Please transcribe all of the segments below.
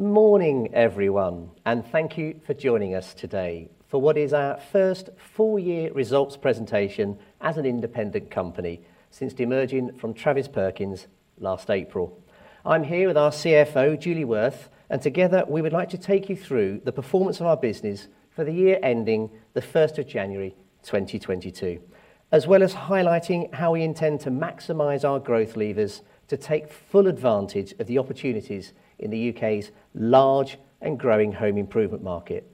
Morning, everyone, and thank you for joining us today for what is our first full year results presentation as an independent company since demerging from Travis Perkins last April. I'm here with our CFO, Julie Wirth, and together we would like to take you through the performance of our business for the year ending January 1, 2022 as well as highlighting how we intend to maximize our growth levers to take full advantage of the opportunities in the U.K.'s large and growing home improvement market.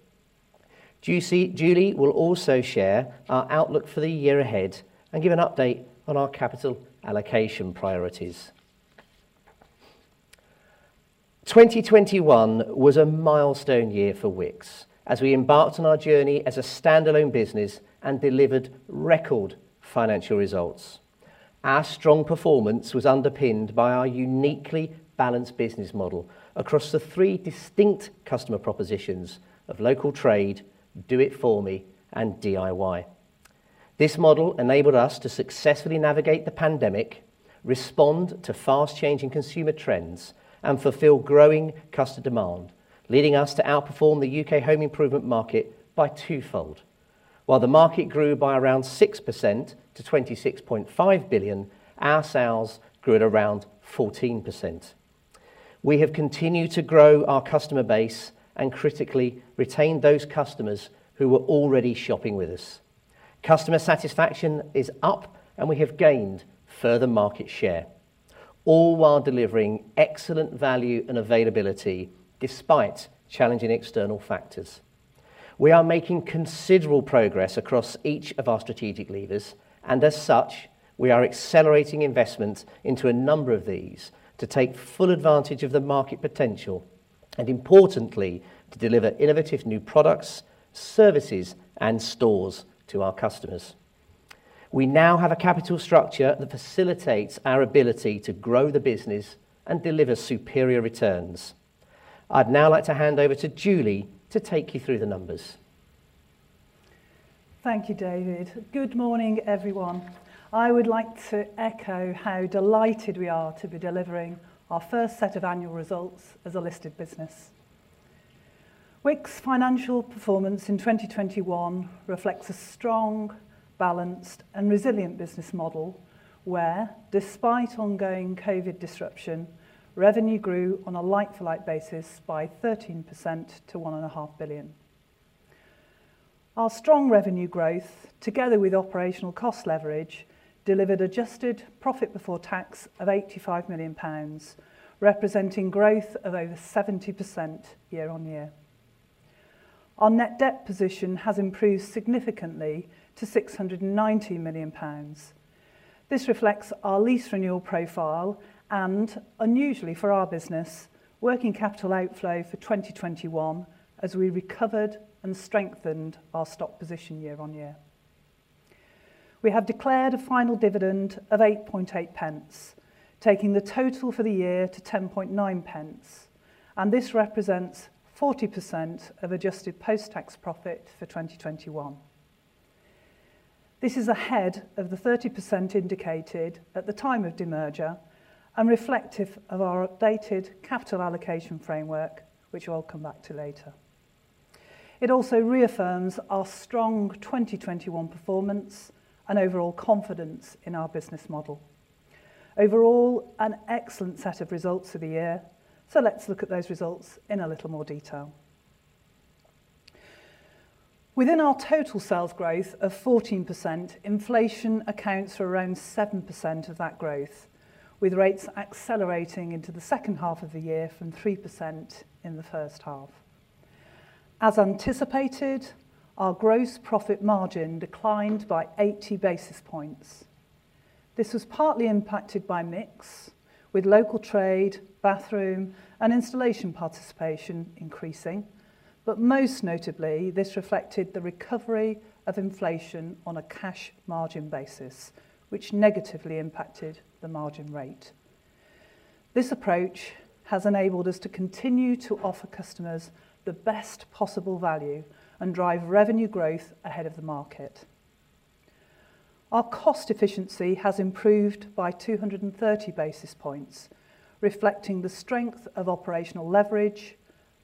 Julie will also share our outlook for the year ahead and give an update on our capital allocation priorities. 2021 was a milestone year for Wickes as we embarked on our journey as a standalone business and delivered record financial results. Our strong performance was underpinned by our uniquely balanced business model across the three distinct customer propositions of local trade, Do It For Me, and DIY. This model enabled us to successfully navigate the pandemic, respond to fast changing consumer trends and fulfill growing customer demand, leading us to outperform the U.K. home improvement market by twofold. While the market grew by around 6% to 26.5 billion, our sales grew at around 14%. We have continued to grow our customer base and critically retain those customers who were already shopping with us. Customer satisfaction is up and we have gained further market share, all while delivering excellent value and availability despite challenging external factors. We are making considerable progress across each of our strategic levers, and as such, we are accelerating investment into a number of these to take full advantage of the market potential and importantly, to deliver innovative new products, services and stores to our customers. We now have a capital structure that facilitates our ability to grow the business and deliver superior returns. I'd now like to hand over to Julie to take you through the numbers. Thank you, David. Good morning, everyone. I would like to echo how delighted we are to be delivering our first set of annual results as a listed business. Wickes financial performance in 2021 reflects a strong, balanced and resilient business model where despite ongoing COVID disruption, revenue grew on a like for like basis by 13% to 1.5 billion. Our strong revenue growth, together with operational cost leverage, delivered adjusted profit before tax of 85 million pounds, representing growth of over 70% year on year. Our net debt position has improved significantly to 690 million pounds. This reflects our lease renewal profile and unusually for our business, working capital outflow for 2021 as we recovered and strengthened our stock position year on year. We have declared a final dividend of 8.8 pence, taking the total for the year to 10.9 pence, and this represents 40% of adjusted post-tax profit for 2021. This is ahead of the 30% indicated at the time of demerger and reflective of our updated capital allocation framework, which I'll come back to later. It also reaffirms our strong 2021 performance and overall confidence in our business model. Overall, an excellent set of results for the year. Let's look at those results in a little more detail. Within our total sales growth of 14%, inflation accounts for around 7% of that growth, with rates accelerating into the second half of the year from 3% in the first half. As anticipated, our gross profit margin declined by 80 basis points. This was partly impacted by mix with local trade, bathroom, and installation participation increasing. Most notably, this reflected the recovery of inflation on a cash margin basis, which negatively impacted the margin rate. This approach has enabled us to continue to offer customers the best possible value and drive revenue growth ahead of the market. Our cost efficiency has improved by 230 basis points, reflecting the strength of operational leverage,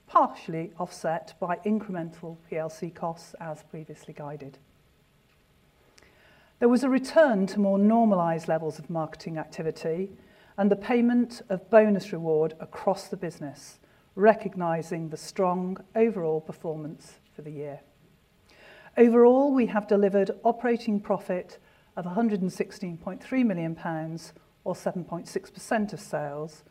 partially offset by incremental PLC costs as previously guided. There was a return to more normalized levels of marketing activity and the payment of bonus reward across the business, recognizing the strong overall performance for the year. Overall, we have delivered operating profit of 116.3 million pounds or 7.6% of sales,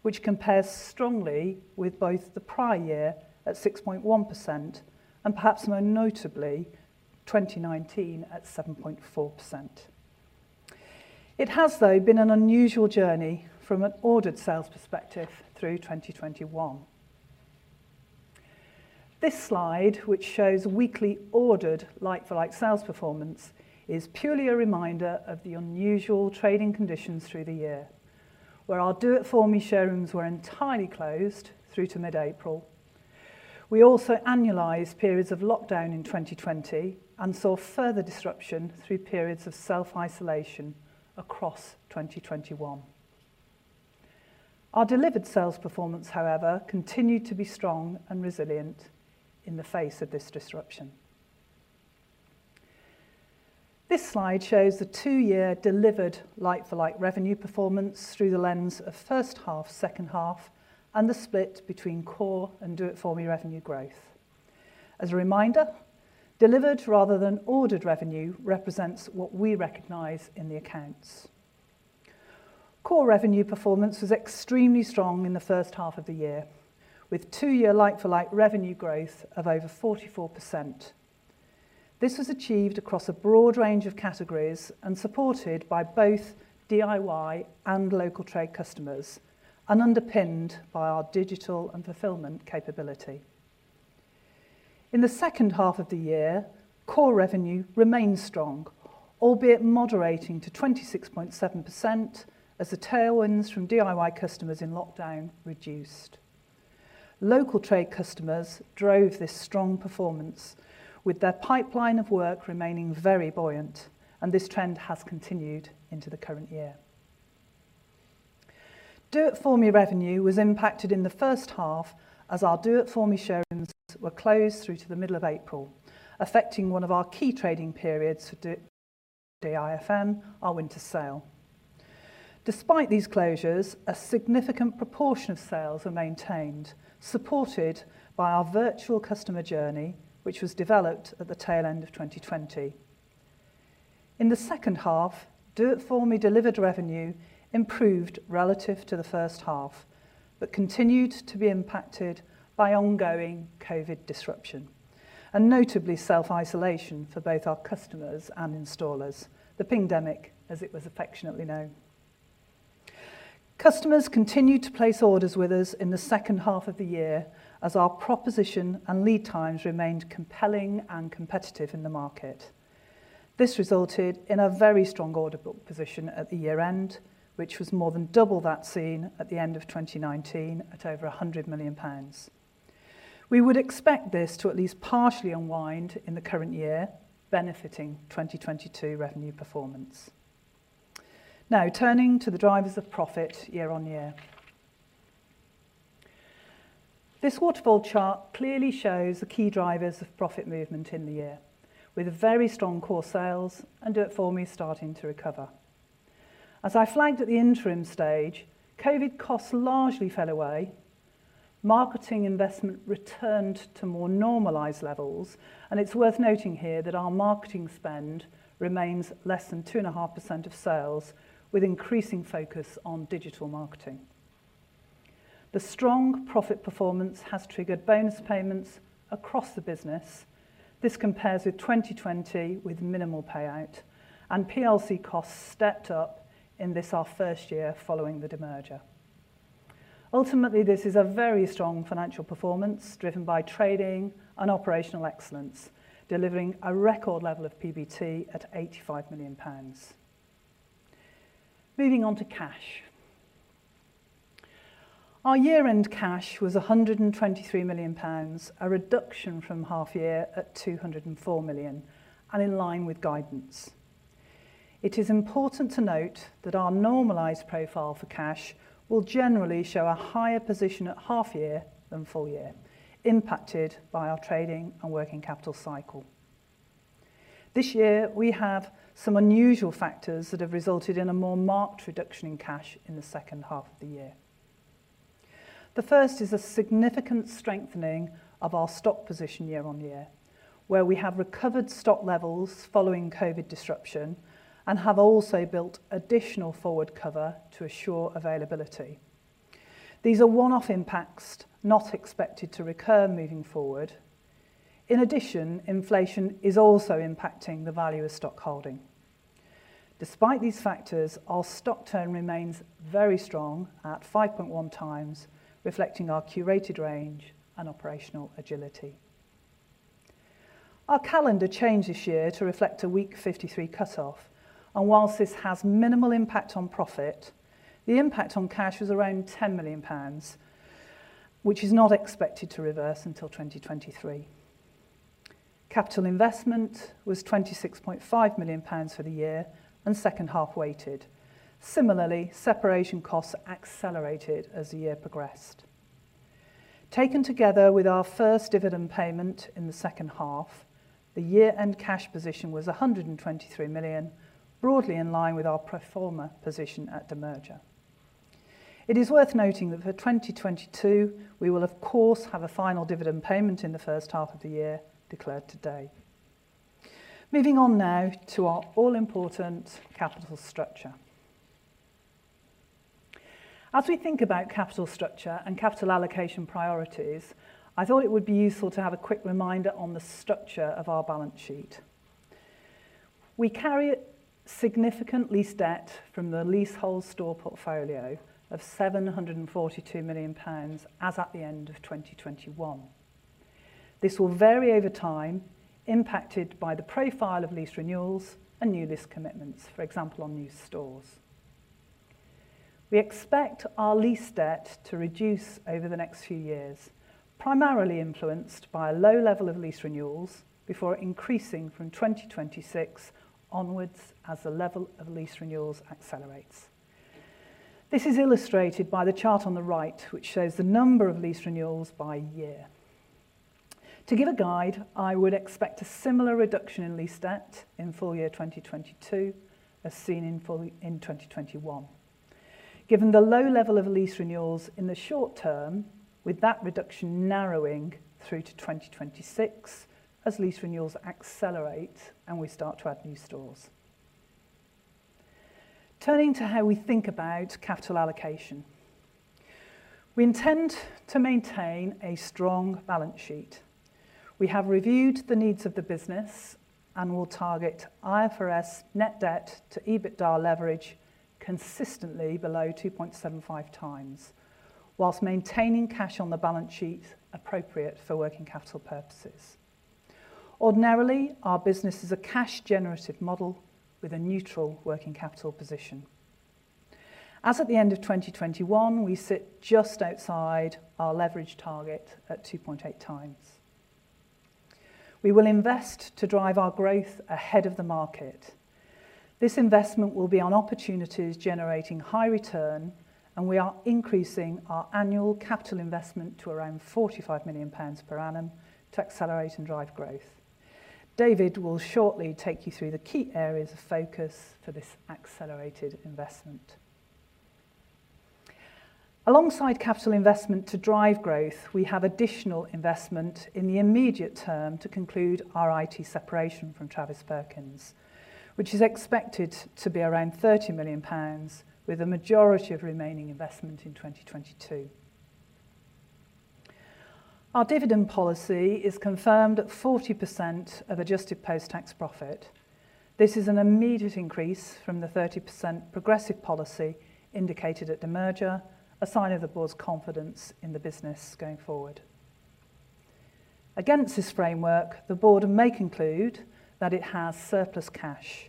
which compares strongly with both the prior year at 6.1% and perhaps more notably, 2019 at 7.4%. It has, though, been an unusual journey from an ordered sales perspective through 2021. This slide, which shows weekly ordered like for like sales performance, is purely a reminder of the unusual trading conditions through the year where our Do It For Me showrooms were entirely closed through to mid-April. We also annualized periods of lockdown in 2020 and saw further disruption through periods of self-isolation across 2021. Our delivered sales performance, however, continued to be strong and resilient in the face of this disruption. This slide shows the two-year delivered like-for-like revenue performance through the lens of first half, second half and the split between core and Do It For Me revenue growth. As a reminder, delivered rather than ordered revenue represents what we recognize in the accounts. Core revenue performance was extremely strong in the first half of the year with two-year like-for-like revenue growth of over 44%. This was achieved across a broad range of categories and supported by both DIY and local trade customers and underpinned by our digital and fulfillment capability. In the second half of the year, core revenue remained strong, albeit moderating to 26.7% as the tailwinds from DIY customers in lockdown reduced. Local trade customers drove this strong performance with their pipeline of work remaining very buoyant and this trend has continued into the current year. Do It For Me revenue was impacted in the first half as our Do It For Me showrooms were closed through to the middle of April, affecting one of our key trading periods for Do It For Me, our winter sale. Despite these closures, a significant proportion of sales were maintained, supported by our virtual customer journey which was developed at the tail end of 2020. In the second half, Do It For Me delivered revenue improved relative to the first half but continued to be impacted by ongoing COVID disruption and notably self-isolation for both our customers and installers, the pingdemic as it was affectionately known. Customers continued to place orders with us in the second half of the year as our proposition and lead times remained compelling and competitive in the market. This resulted in a very strong order book position at the year end which was more than double that seen at the end of 2019 at over 100 million pounds. We would expect this to at least partially unwind in the current year, benefiting 2022 revenue performance. Now turning to the drivers of profit year-over-year. This waterfall chart clearly shows the key drivers of profit movement in the year with very strong core sales and Do It For Me starting to recover. As I flagged at the interim stage, COVID costs largely fell away, marketing investment returned to more normalized levels and it's worth noting here that our marketing spend remains less than 2.5% of sales with increasing focus on digital marketing. The strong profit performance has triggered bonus payments across the business. This compares with 2020 with minimal payout and PLC costs stepped up in this, our first year following the demerger. Ultimately, this is a very strong financial performance driven by trading and operational excellence, delivering a record level of PBT at 85 million pounds. Moving on to cash. Our year-end cash was 123 million pounds, a reduction from half year at 204 million and in line with guidance. It is important to note that our normalized profile for cash will generally show a higher position at half year than full year, impacted by our trading and working capital cycle. This year we have some unusual factors that have resulted in a more marked reduction in cash in the second half of the year. The first is a significant strengthening of our stock position year-on-year where we have recovered stock levels following COVID disruption and have also built additional forward cover to assure availability. These are one-off impacts not expected to recur moving forward. In addition, inflation is also impacting the value of stock holding. Despite these factors, our stock turn remains very strong at 5.1 times, reflecting our curated range and operational agility. Our calendar changed this year to reflect a week 53 cutoff and while this has minimal impact on profit, the impact on cash was around 10 million pounds which is not expected to reverse until 2023. Capital investment was 26.5 million pounds for the year and second-half weighted. Similarly, separation costs accelerated as the year progressed. Taken together with our first dividend payment in the second half, the year-end cash position was 123 million, broadly in line with our pro forma position at demerger. It is worth noting that for 2022 we will of course have a final dividend payment in the first half of the year declared today. Moving on now to our all-important capital structure. As we think about capital structure and capital allocation priorities, I thought it would be useful to have a quick reminder on the structure of our balance sheet. We carry significant lease debt from the leasehold store portfolio of 742 million pounds as at the end of 2021. This will vary over time, impacted by the profile of lease renewals and new lease commitments, for example on new stores. We expect our lease debt to reduce over the next few years, primarily influenced by a low level of lease renewals before increasing from 2026 onwards as the level of lease renewals accelerates. This is illustrated by the chart on the right, which shows the number of lease renewals by year. To give a guide, I would expect a similar reduction in lease debt in full year 2022 as seen in full year 2021. Given the low level of lease renewals in the short term, with that reduction narrowing through to 2026 as lease renewals accelerate and we start to add new stores. Turning to how we think about capital allocation, we intend to maintain a strong balance sheet. We have reviewed the needs of the business and will target IFRS net debt to EBITDA leverage consistently below 2.75 times while maintaining cash on the balance sheet appropriate for working capital purposes. Ordinarily, our business is a cash generative model with a neutral working capital position. As at the end of 2021, we sit just outside our leverage target at 2.8 times. We will invest to drive our growth ahead of the market. This investment will be on opportunities generating high return, and we are increasing our annual capital investment to around 45 million pounds per annum to accelerate and drive growth. David will shortly take you through the key areas of focus for this accelerated investment. Alongside capital investment to drive growth, we have additional investment in the immediate term to conclude our IT separation from Travis Perkins, which is expected to be around 30 million pounds with the majority of remaining investment in 2022. Our dividend policy is confirmed at 40% of adjusted post-tax profit. This is an immediate increase from the 30% progressive policy indicated at demerger, a sign of the board's confidence in the business going forward. Against this framework, the board may conclude that it has surplus cash,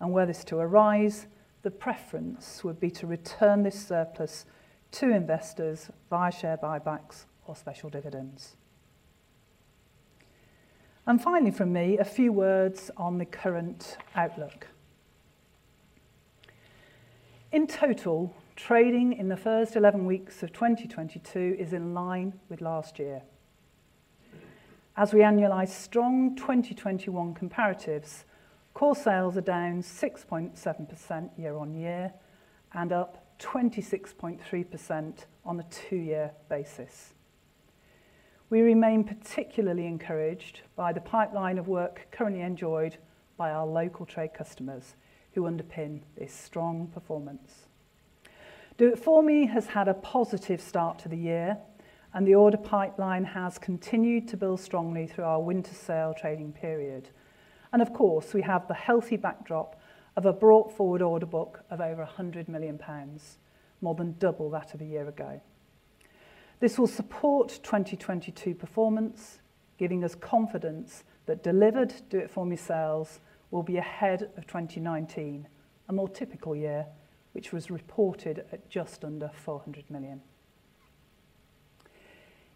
and were this to arise, the preference would be to return this surplus to investors via share buybacks or special dividends. Finally from me, a few words on the current outlook. In total, trading in the first 11 weeks of 2022 is in line with last year. As we annualize strong 2021 comparatives, core sales are down 6.7% year on year and up 26.3% on a two-year basis. We remain particularly encouraged by the pipeline of work currently enjoyed by our local trade customers who underpin this strong performance. Do It For Me has had a positive start to the year, and the order pipeline has continued to build strongly through our winter sale trading period. Of course, we have the healthy backdrop of a brought forward order book of over 100 million pounds, more than double that of a year ago. This will support 2022 performance, giving us confidence that delivered Do It For Me sales will be ahead of 2019, a more typical year which was reported at just under 400 million.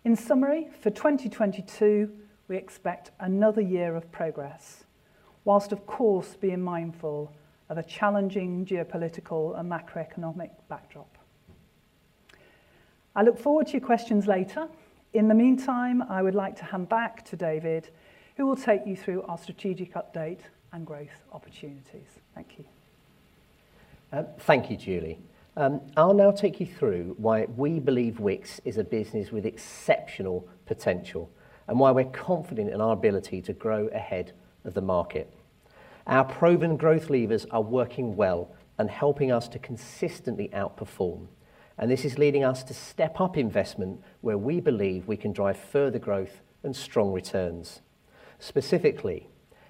In summary, for 2022, we expect another year of progress, while of course being mindful of a challenging geopolitical and macroeconomic backdrop. I look forward to your questions later. In the meantime, I would like to hand back to David, who will take you through our strategic update and growth opportunities. Thank you. Thank you, Julie. I'll now take you through why we believe Wickes is a business with exceptional potential and why we're confident in our ability to grow ahead of the market. Our proven growth levers are working well and helping us to consistently outperform, and this is leading us to step up investment where we believe we can drive further growth and strong returns. Specifically,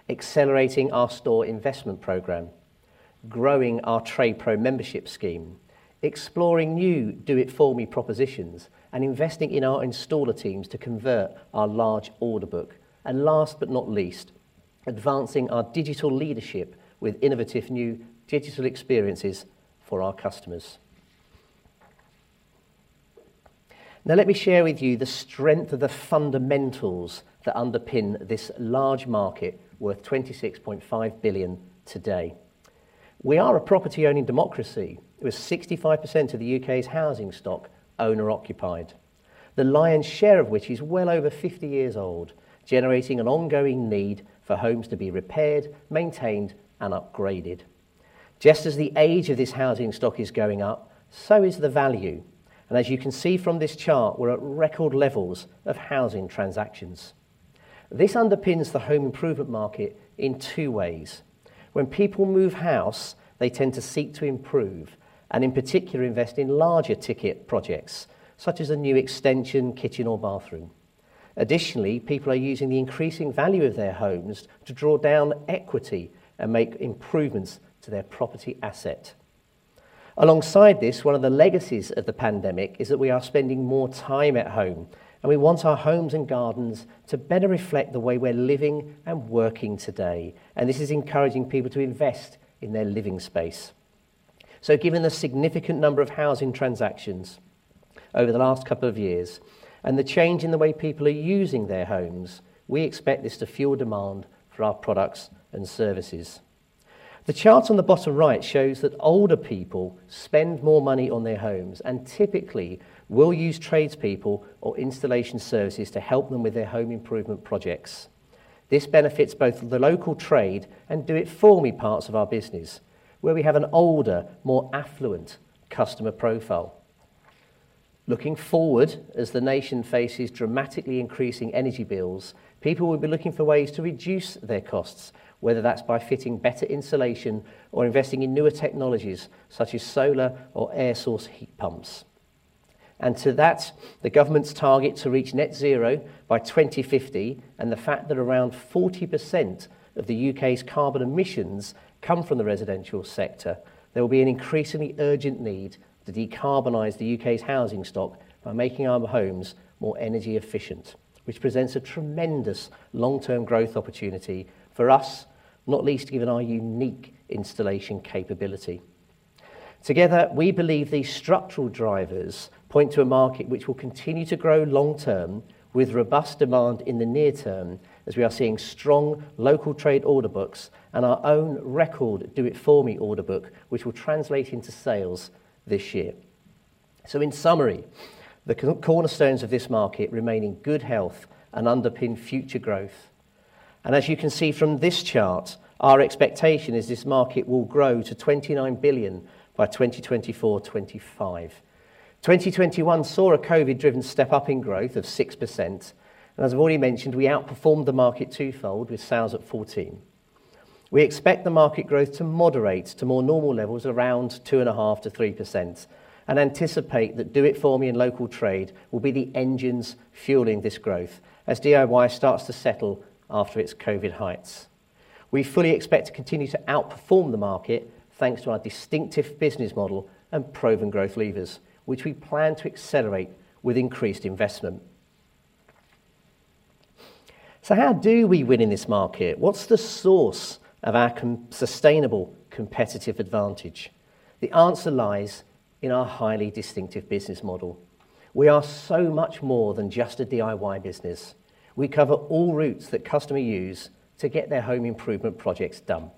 accelerating our store investment program, growing our TradePro membership scheme, exploring new Do It For Me propositions, and investing in our installer teams to convert our large order book. Last but not least, advancing our digital leadership with innovative new digital experiences for our customers. Now let me share with you the strength of the fundamentals that underpin this large market worth 26.5 billion today. We are a property-owning democracy, with 65% of the U.K.'s housing stock owner-occupied, the lion's share of which is well over 50 years old, generating an ongoing need for homes to be repaired, maintained, and upgraded. Just as the age of this housing stock is going up, so is the value. As you can see from this chart, we're at record levels of housing transactions. This underpins the home improvement market in two ways. When people move house, they tend to seek to improve and, in particular, invest in larger ticket projects such as a new extension, kitchen or bathroom. Additionally, people are using the increasing value of their homes to draw down equity and make improvements to their property asset. Alongside this, one of the legacies of the pandemic is that we are spending more time at home, and we want our homes and gardens to better reflect the way we're living and working today, and this is encouraging people to invest in their living space. Given the significant number of housing transactions over the last couple of years and the change in the way people are using their homes, we expect this to fuel demand for our products and services. The chart on the bottom right shows that older people spend more money on their homes and typically will use tradespeople or installation services to help them with their home improvement projects. This benefits both the local trade and Do It For Me parts of our business, where we have an older, more affluent customer profile. Looking forward, as the nation faces dramatically increasing energy bills, people will be looking for ways to reduce their costs, whether that's by fitting better insulation or investing in newer technologies such as solar or air source heat pumps. Add to that the government's target to reach net zero by 2050 and the fact that around 40% of the U.K.'s carbon emissions come from the residential sector, there will be an increasingly urgent need to decarbonize the U.K.'s housing stock by making our homes more energy efficient, which presents a tremendous long-term growth opportunity for us, not least given our unique installation capability. Together, we believe these structural drivers point to a market which will continue to grow long term with robust demand in the near term as we are seeing strong local trade order books and our own record Do It For Me order book, which will translate into sales this year. In summary, the cornerstones of this market remain in good health and underpin future growth. As you can see from this chart, our expectation is this market will grow to 29 billion by 2024-2025. 2021 saw a COVID-driven step up in growth of 6%, and as I've already mentioned, we outperformed the market twofold with sales at 14%. We expect the market growth to moderate to more normal levels around 2.5%-3% and anticipate that Do It For Me and local trade will be the engines fueling this growth as DIY starts to settle after its COVID heights. We fully expect to continue to outperform the market, thanks to our distinctive business model and proven growth levers, which we plan to accelerate with increased investment. How do we win in this market? What's the source of our sustainable competitive advantage? The answer lies in our highly distinctive business model. We are so much more than just a DIY business. We cover all routes that customer use to get their home improvement projects done.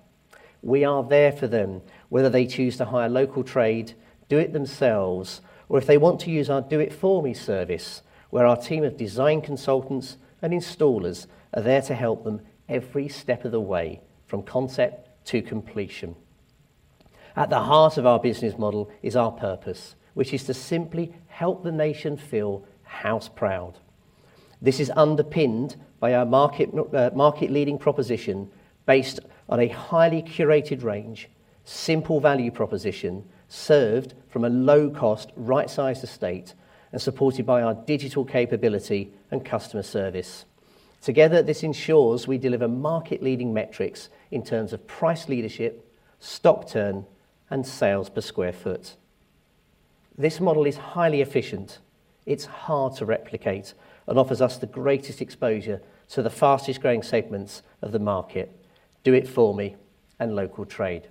We are there for them, whether they choose to hire local trade, do it themselves, or if they want to use our Do It For Me service, where our team of design consultants and installers are there to help them every step of the way, from concept to completion. At the heart of our business model is our purpose, which is to simply help the nation feel house proud. This is underpinned by our market-leading proposition based on a highly curated range, simple value proposition, served from a low cost, right-sized estate and supported by our digital capability and customer service. Together, this ensures we deliver market leading metrics in terms of price leadership, stock turn and sales per sq ft. This model is highly efficient. It's hard to replicate and offers us the greatest exposure to the fastest growing segments of the market, Do It For Me and local trade.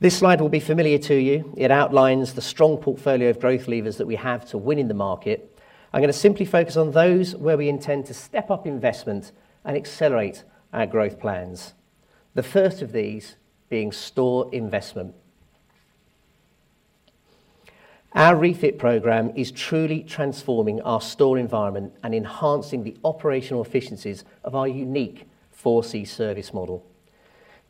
This slide will be familiar to you. It outlines the strong portfolio of growth levers that we have to win in the market. I'm going to simply focus on those where we intend to step up investment and accelerate our growth plans. The first of these being store investment. Our refit program is truly transforming our store environment and enhancing the operational efficiencies of our unique 4C service model.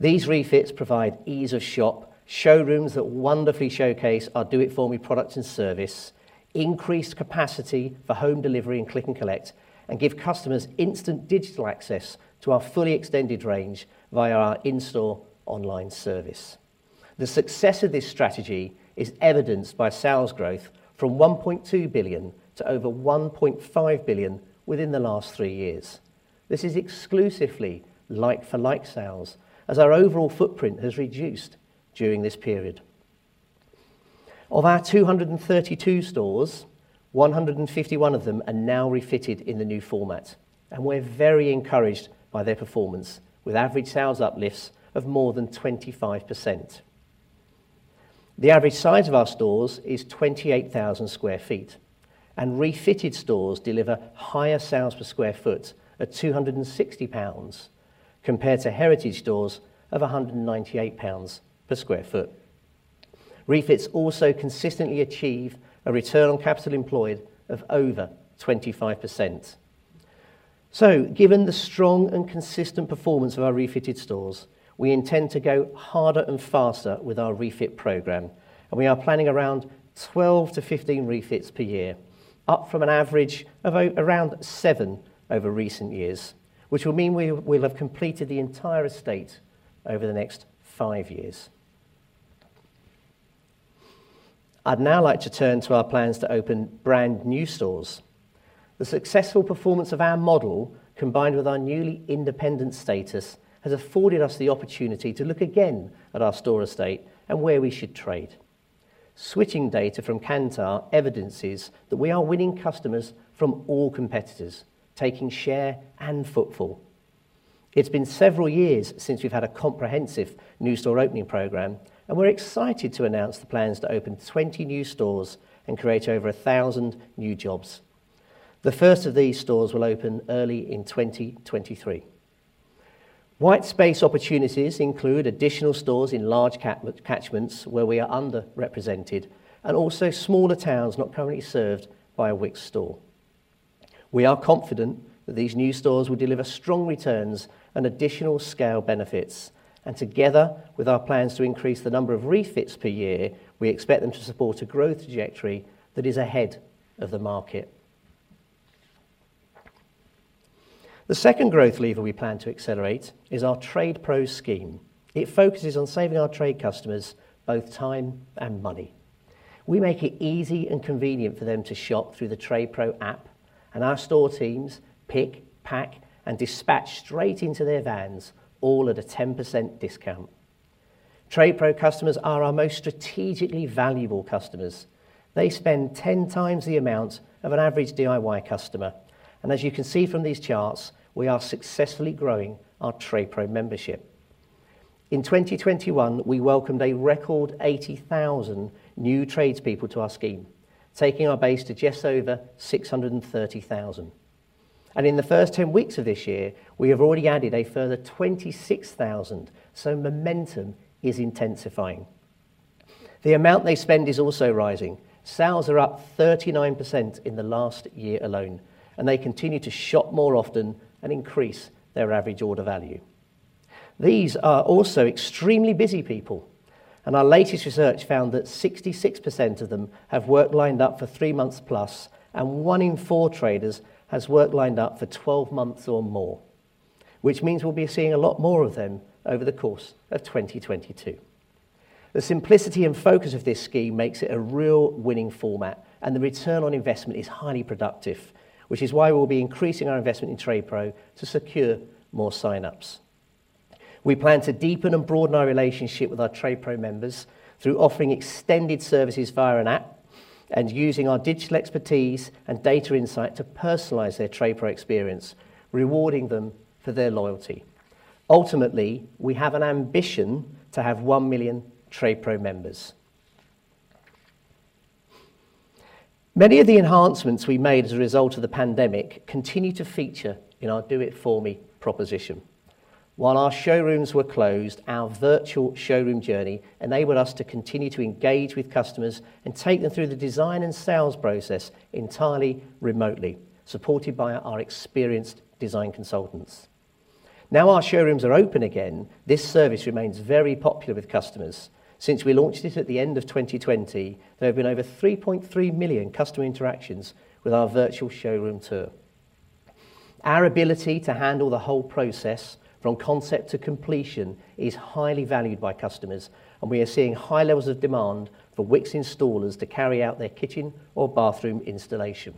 These refits provide ease of shop, showrooms that wonderfully showcase our Do It For Me products and service, increased capacity for home delivery and click and collect, and give customers instant digital access to our fully extended range via our in-store online service. The success of this strategy is evidenced by sales growth from 1.2 billion to over 1.5 billion within the last three years. This is exclusively like for like sales as our overall footprint has reduced during this period. Of our 232 stores, 151 of them are now refitted in the new format, and we're very encouraged by their performance, with average sales uplifts of more than 25%. The average size of our stores is 28,000 sq ft, and refitted stores deliver higher sales per sq ft at 260 pounds compared to heritage stores of 198 pounds per sq ft. Refits also consistently achieve a return on capital employed of over 25%. Given the strong and consistent performance of our refitted stores, we intend to go harder and faster with our refit program, and we are planning around 12-15 refits per year, up from an average of around seven over recent years, which will mean we'll have completed the entire estate over the next five years. I'd now like to turn to our plans to open brand new stores. The successful performance of our model, combined with our newly independent status, has afforded us the opportunity to look again at our store estate and where we should trade. Shopping data from Kantar evidences that we are winning customers from all competitors, taking share and footfall. It's been several years since we've had a comprehensive new store opening program, and we're excited to announce the plans to open 20 new stores and create over 1,000 new jobs. The first of these stores will open early in 2023. White space opportunities include additional stores in large-cap catchments where we are underrepresented, and also smaller towns not currently served by a Wickes store. We are confident that these new stores will deliver strong returns and additional scale benefits. Together with our plans to increase the number of refits per year, we expect them to support a growth trajectory that is ahead of the market. The second growth lever we plan to accelerate is our TradePro scheme. It focuses on saving our trade customers both time and money. We make it easy and convenient for them to shop through the TradePro app, and our store teams pick, pack, and dispatch straight into their vans, all at a 10% discount. TradePro customers are our most strategically valuable customers. They spend 10 times the amount of an average DIY customer, and as you can see from these charts, we are successfully growing our TradePro membership. In 2021, we welcomed a record 80,000 new tradespeople to our scheme, taking our base to just over 630,000. In the first 10 weeks of this year, we have already added a further 26,000, so momentum is intensifying. The amount they spend is also rising. Sales are up 39% in the last year alone, and they continue to shop more often and increase their average order value. These are also extremely busy people, and our latest research found that 66% of them have work lined up for three months plus, and one in four traders has work lined up for 12 months or more, which means we'll be seeing a lot more of them over the course of 2022. The simplicity and focus of this scheme makes it a real winning format, and the return on investment is highly productive, which is why we'll be increasing our investment in TradePro to secure more sign-ups. We plan to deepen and broaden our relationship with our TradePro members through offering extended services via an app and using our digital expertise and data insight to personalize their TradePro experience, rewarding them for their loyalty. Ultimately, we have an ambition to have 1 million TradePro members. Many of the enhancements we made as a result of the pandemic continue to feature in our Do It For Me proposition. While our showrooms were closed, our virtual showroom journey enabled us to continue to engage with customers and take them through the design and sales process entirely remotely, supported by our experienced design consultants. Now our showrooms are open again, this service remains very popular with customers. Since we launched it at the end of 2020, there have been over 3.3 million customer interactions with our virtual showroom tour. Our ability to handle the whole process from concept to completion is highly valued by customers, and we are seeing high levels of demand for Wickes installers to carry out their kitchen or bathroom installation.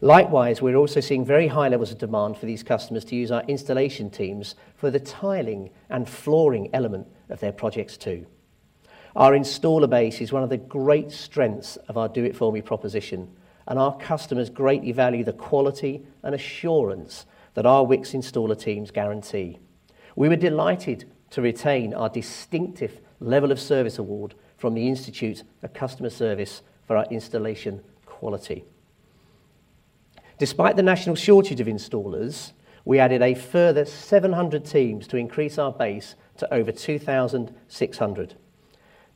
Likewise, we're also seeing very high levels of demand for these customers to use our installation teams for the tiling and flooring element of their projects too. Our installer base is one of the great strengths of our Do It For Me proposition, and our customers greatly value the quality and assurance that our Wickes installer teams guarantee. We were delighted to retain our Distinctive Level of Service award from the Institute of Customer Service for our installation quality. Despite the national shortage of installers, we added a further 700 teams to increase our base to over 2,600.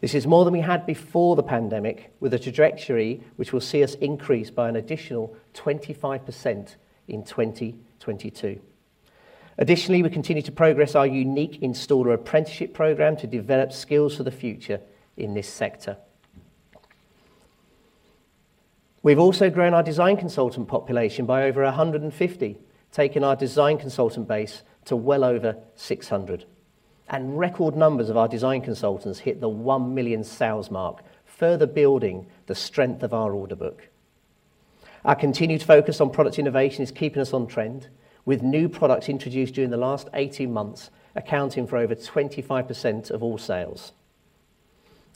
This is more than we had before the pandemic, with a trajectory which will see us increase by an additional 25% in 2022. Additionally, we continue to progress our unique installer apprenticeship program to develop skills for the future in this sector. We've also grown our design consultant population by over 150, taking our design consultant base to well over 600. Record numbers of our design consultants hit the 1 million sales mark, further building the strength of our order book. Our continued focus on product innovation is keeping us on trend, with new products introduced during the last 18 months accounting for over 25% of all sales.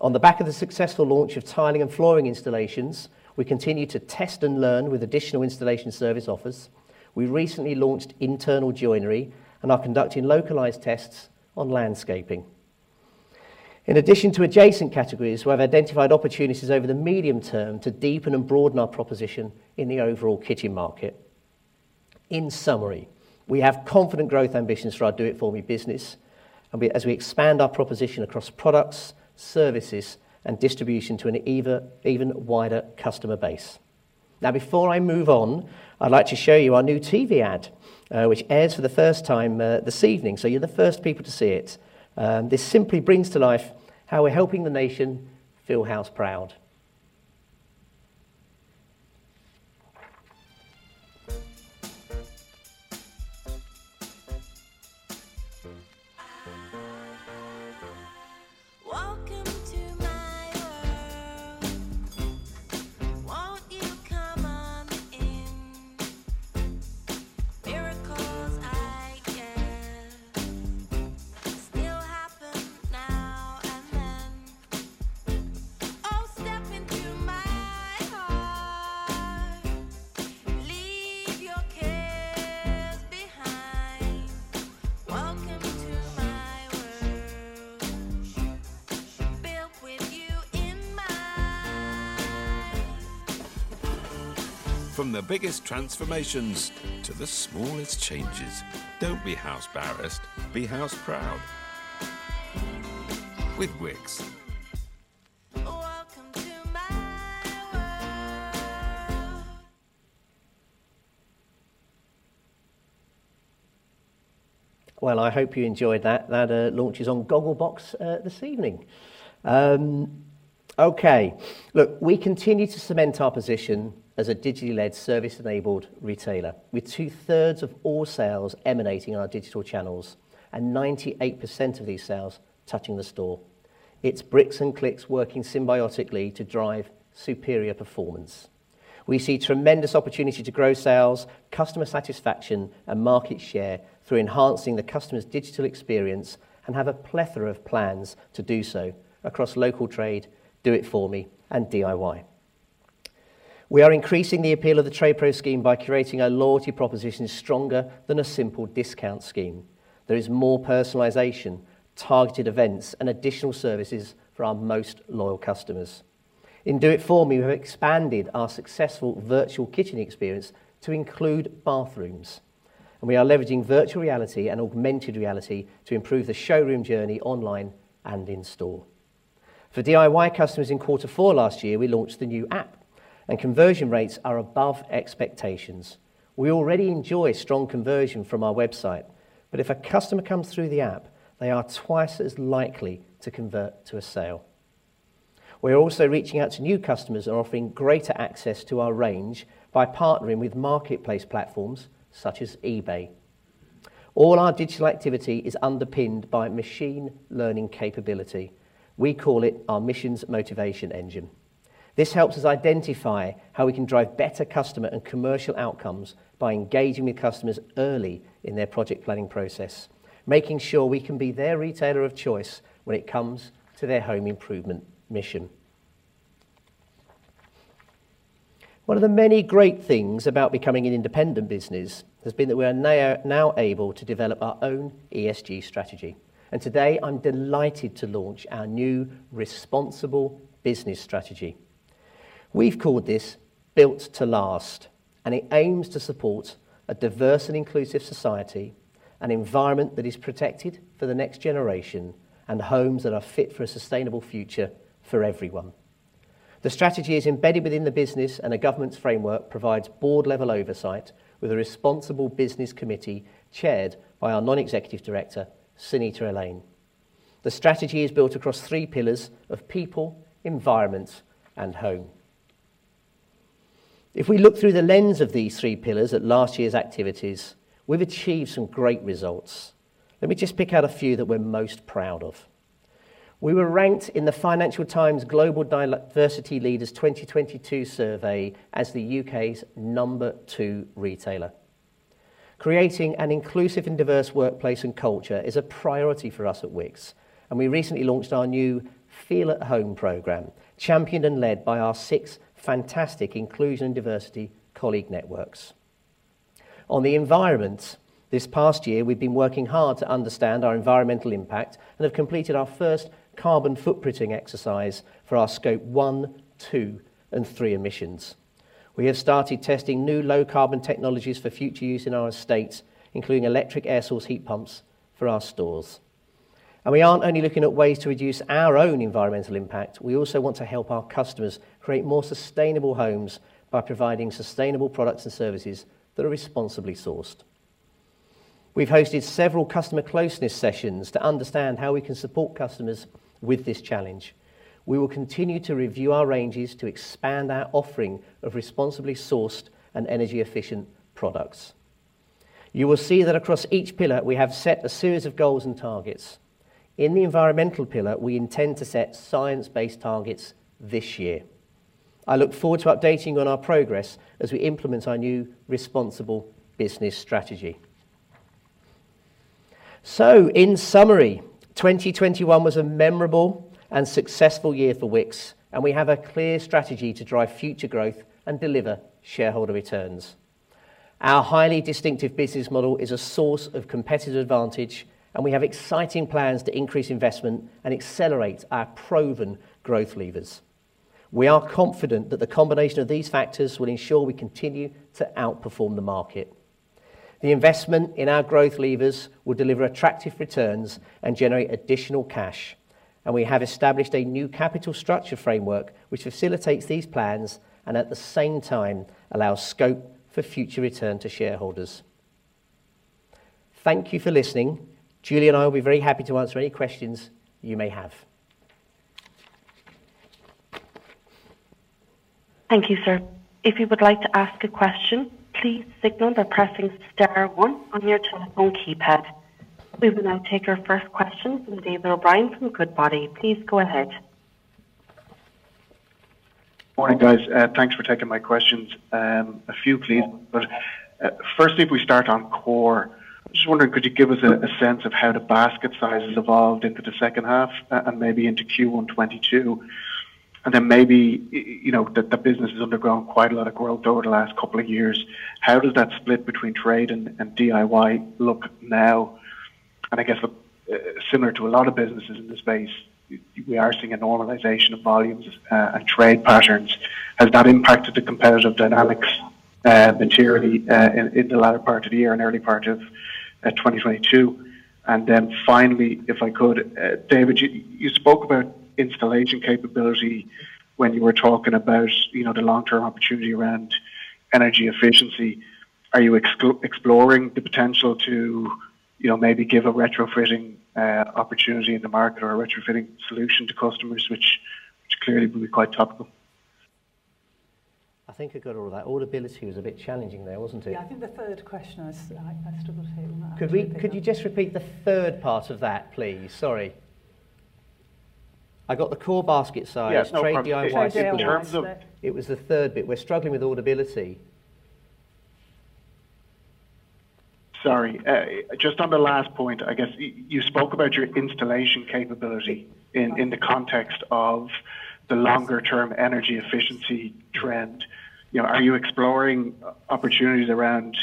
On the back of the successful launch of tiling and flooring installations, we continue to test and learn with additional installation service offers. We recently launched internal joinery and are conducting localized tests on landscaping. In addition to adjacent categories, we have identified opportunities over the medium term to deepen and broaden our proposition in the overall kitchen market. In summary, we have confident growth ambitions for our Do It For Me business, and as we expand our proposition across products, services, and distribution to an even wider customer base. Now before I move on, I'd like to show you our new TV ad, which airs for the first time, this evening, so you're the first people to see it. This simply brings to life how we're helping the nation feel house proud. Welcome to Wickes. Still happen now and then. Oh, step into my heart. Leave your cares behind. Welcome to my world. Built with you in mind. From the biggest transformations to the smallest changes. Don't be house embarrassed, be house proud. With Wickes. Welcome to my world. Well, I hope you enjoyed that. That launches on Gogglebox this evening. Okay. Look, we continue to cement our position as a digitally led service-enabled retailer. With two-thirds of all sales emanating on our digital channels and 98% of these sales touching the store. It's bricks and clicks working symbiotically to drive superior performance. We see tremendous opportunity to grow sales, customer satisfaction and market share through enhancing the customer's digital experience and have a plethora of plans to do so across local trade, Do It For Me and DIY. We are increasing the appeal of the TradePro scheme by creating a loyalty proposition stronger than a simple discount scheme. There is more personalization, targeted events and additional services for our most loyal customers. In Do It For Me, we have expanded our successful virtual kitchen experience to include bathrooms, and we are leveraging virtual reality and augmented reality to improve the showroom journey online and in store. For DIY customers in quarter four last year, we launched the new app, and conversion rates are above expectations. We already enjoy strong conversion from our website, but if a customer comes through the app, they are twice as likely to convert to a sale. We're also reaching out to new customers and offering greater access to our range by partnering with marketplace platforms such as eBay. All our digital activity is underpinned by machine learning capability. We call it our Mission Motivation Engine. This helps us identify how we can drive better customer and commercial outcomes by engaging with customers early in their project planning process, making sure we can be their retailer of choice when it comes to their home improvement mission. One of the many great things about becoming an independent business has been that we are now able to develop our own ESG strategy, and today, I'm delighted to launch our new responsible business strategy. We've called this Built to Last, and it aims to support a diverse and inclusive society, an environment that is protected for the next generation, and homes that are fit for a sustainable future for everyone. The strategy is embedded within the business, and a governance framework provides board-level oversight with a responsible business committee chaired by our non-executive director, Sonita Alleyne. The strategy is built across three pillars of people, environment and home. If we look through the lens of these three pillars at last year's activities, we've achieved some great results. Let me just pick out a few that we're most proud of. We were ranked in the Financial Times Diversity Leaders 2022 survey as the U.K.'s number two retailer. Creating an inclusive and diverse workplace and culture is a priority for us at Wickes, and we recently launched our new Feel at Home program, championed and led by our six fantastic inclusion and diversity colleague networks. On the environment, this past year we've been working hard to understand our environmental impact and have completed our first carbon footprinting exercise for our Scope one, two and three emissions. We have started testing new low carbon technologies for future use in our estates, including electric air source heat pumps for our stores. We aren't only looking at ways to reduce our own environmental impact, we also want to help our customers create more sustainable homes by providing sustainable products and services that are responsibly sourced. We've hosted several customer closeness sessions to understand how we can support customers with this challenge. We will continue to review our ranges to expand our offering of responsibly sourced and energy efficient products. You will see that across each pillar we have set a series of goals and targets. In the environmental pillar, we intend to set science-based targets this year. I look forward to updating you on our progress as we implement our new responsible business strategy. In summary, 2021 was a memorable and successful year for Wickes, and we have a clear strategy to drive future growth and deliver shareholder returns. Our highly distinctive business model is a source of competitive advantage, and we have exciting plans to increase investment and accelerate our proven growth levers. We are confident that the combination of these factors will ensure we continue to outperform the market. The investment in our growth levers will deliver attractive returns and generate additional cash, and we have established a new capital structure framework which facilitates these plans and at the same time allows scope for future return to shareholders. Thank you for listening. Julie and I will be very happy to answer any questions you may have. Thank you, sir. If you would like to ask a question, please signal by pressing star one on your telephone keypad. We will now take our first question from David O'Brien from Goodbody. Please go ahead. Morning, guys. Thanks for taking my questions. I have a few please. Firstly, if we start on Core, I'm just wondering, could you give us a sense of how the basket size has evolved into the second half, and maybe into Q1 2022? Maybe, you know, the business has undergone quite a lot of growth over the last couple of years. How does that split between trade and DIY look now? I guess, similar to a lot of businesses in this space, we are seeing a normalization of volumes and trade patterns. Has that impacted the competitive dynamics materially, in the latter part of the year and early part of 2022? Finally, if I could, David, you spoke about installation capability when you were talking about, you know, the long-term opportunity around energy efficiency. Are you exploring the potential to, you know, maybe give a retrofitting opportunity in the market or a retrofitting solution to customers, which clearly would be quite topical? I think I got all of that. Audibility was a bit challenging there, wasn't it? Yeah, I think the third question I struggled to hear on that. Could you just repeat the third part of that, please? Sorry. I got the core basket size. Yes, no problem. Trade DIY. Trade DIY. It was the third bit. We're struggling with audibility. Sorry. Just on the last point, I guess you spoke about your installation capability in the context of the longer term energy efficiency trend. You know, are you exploring opportunities around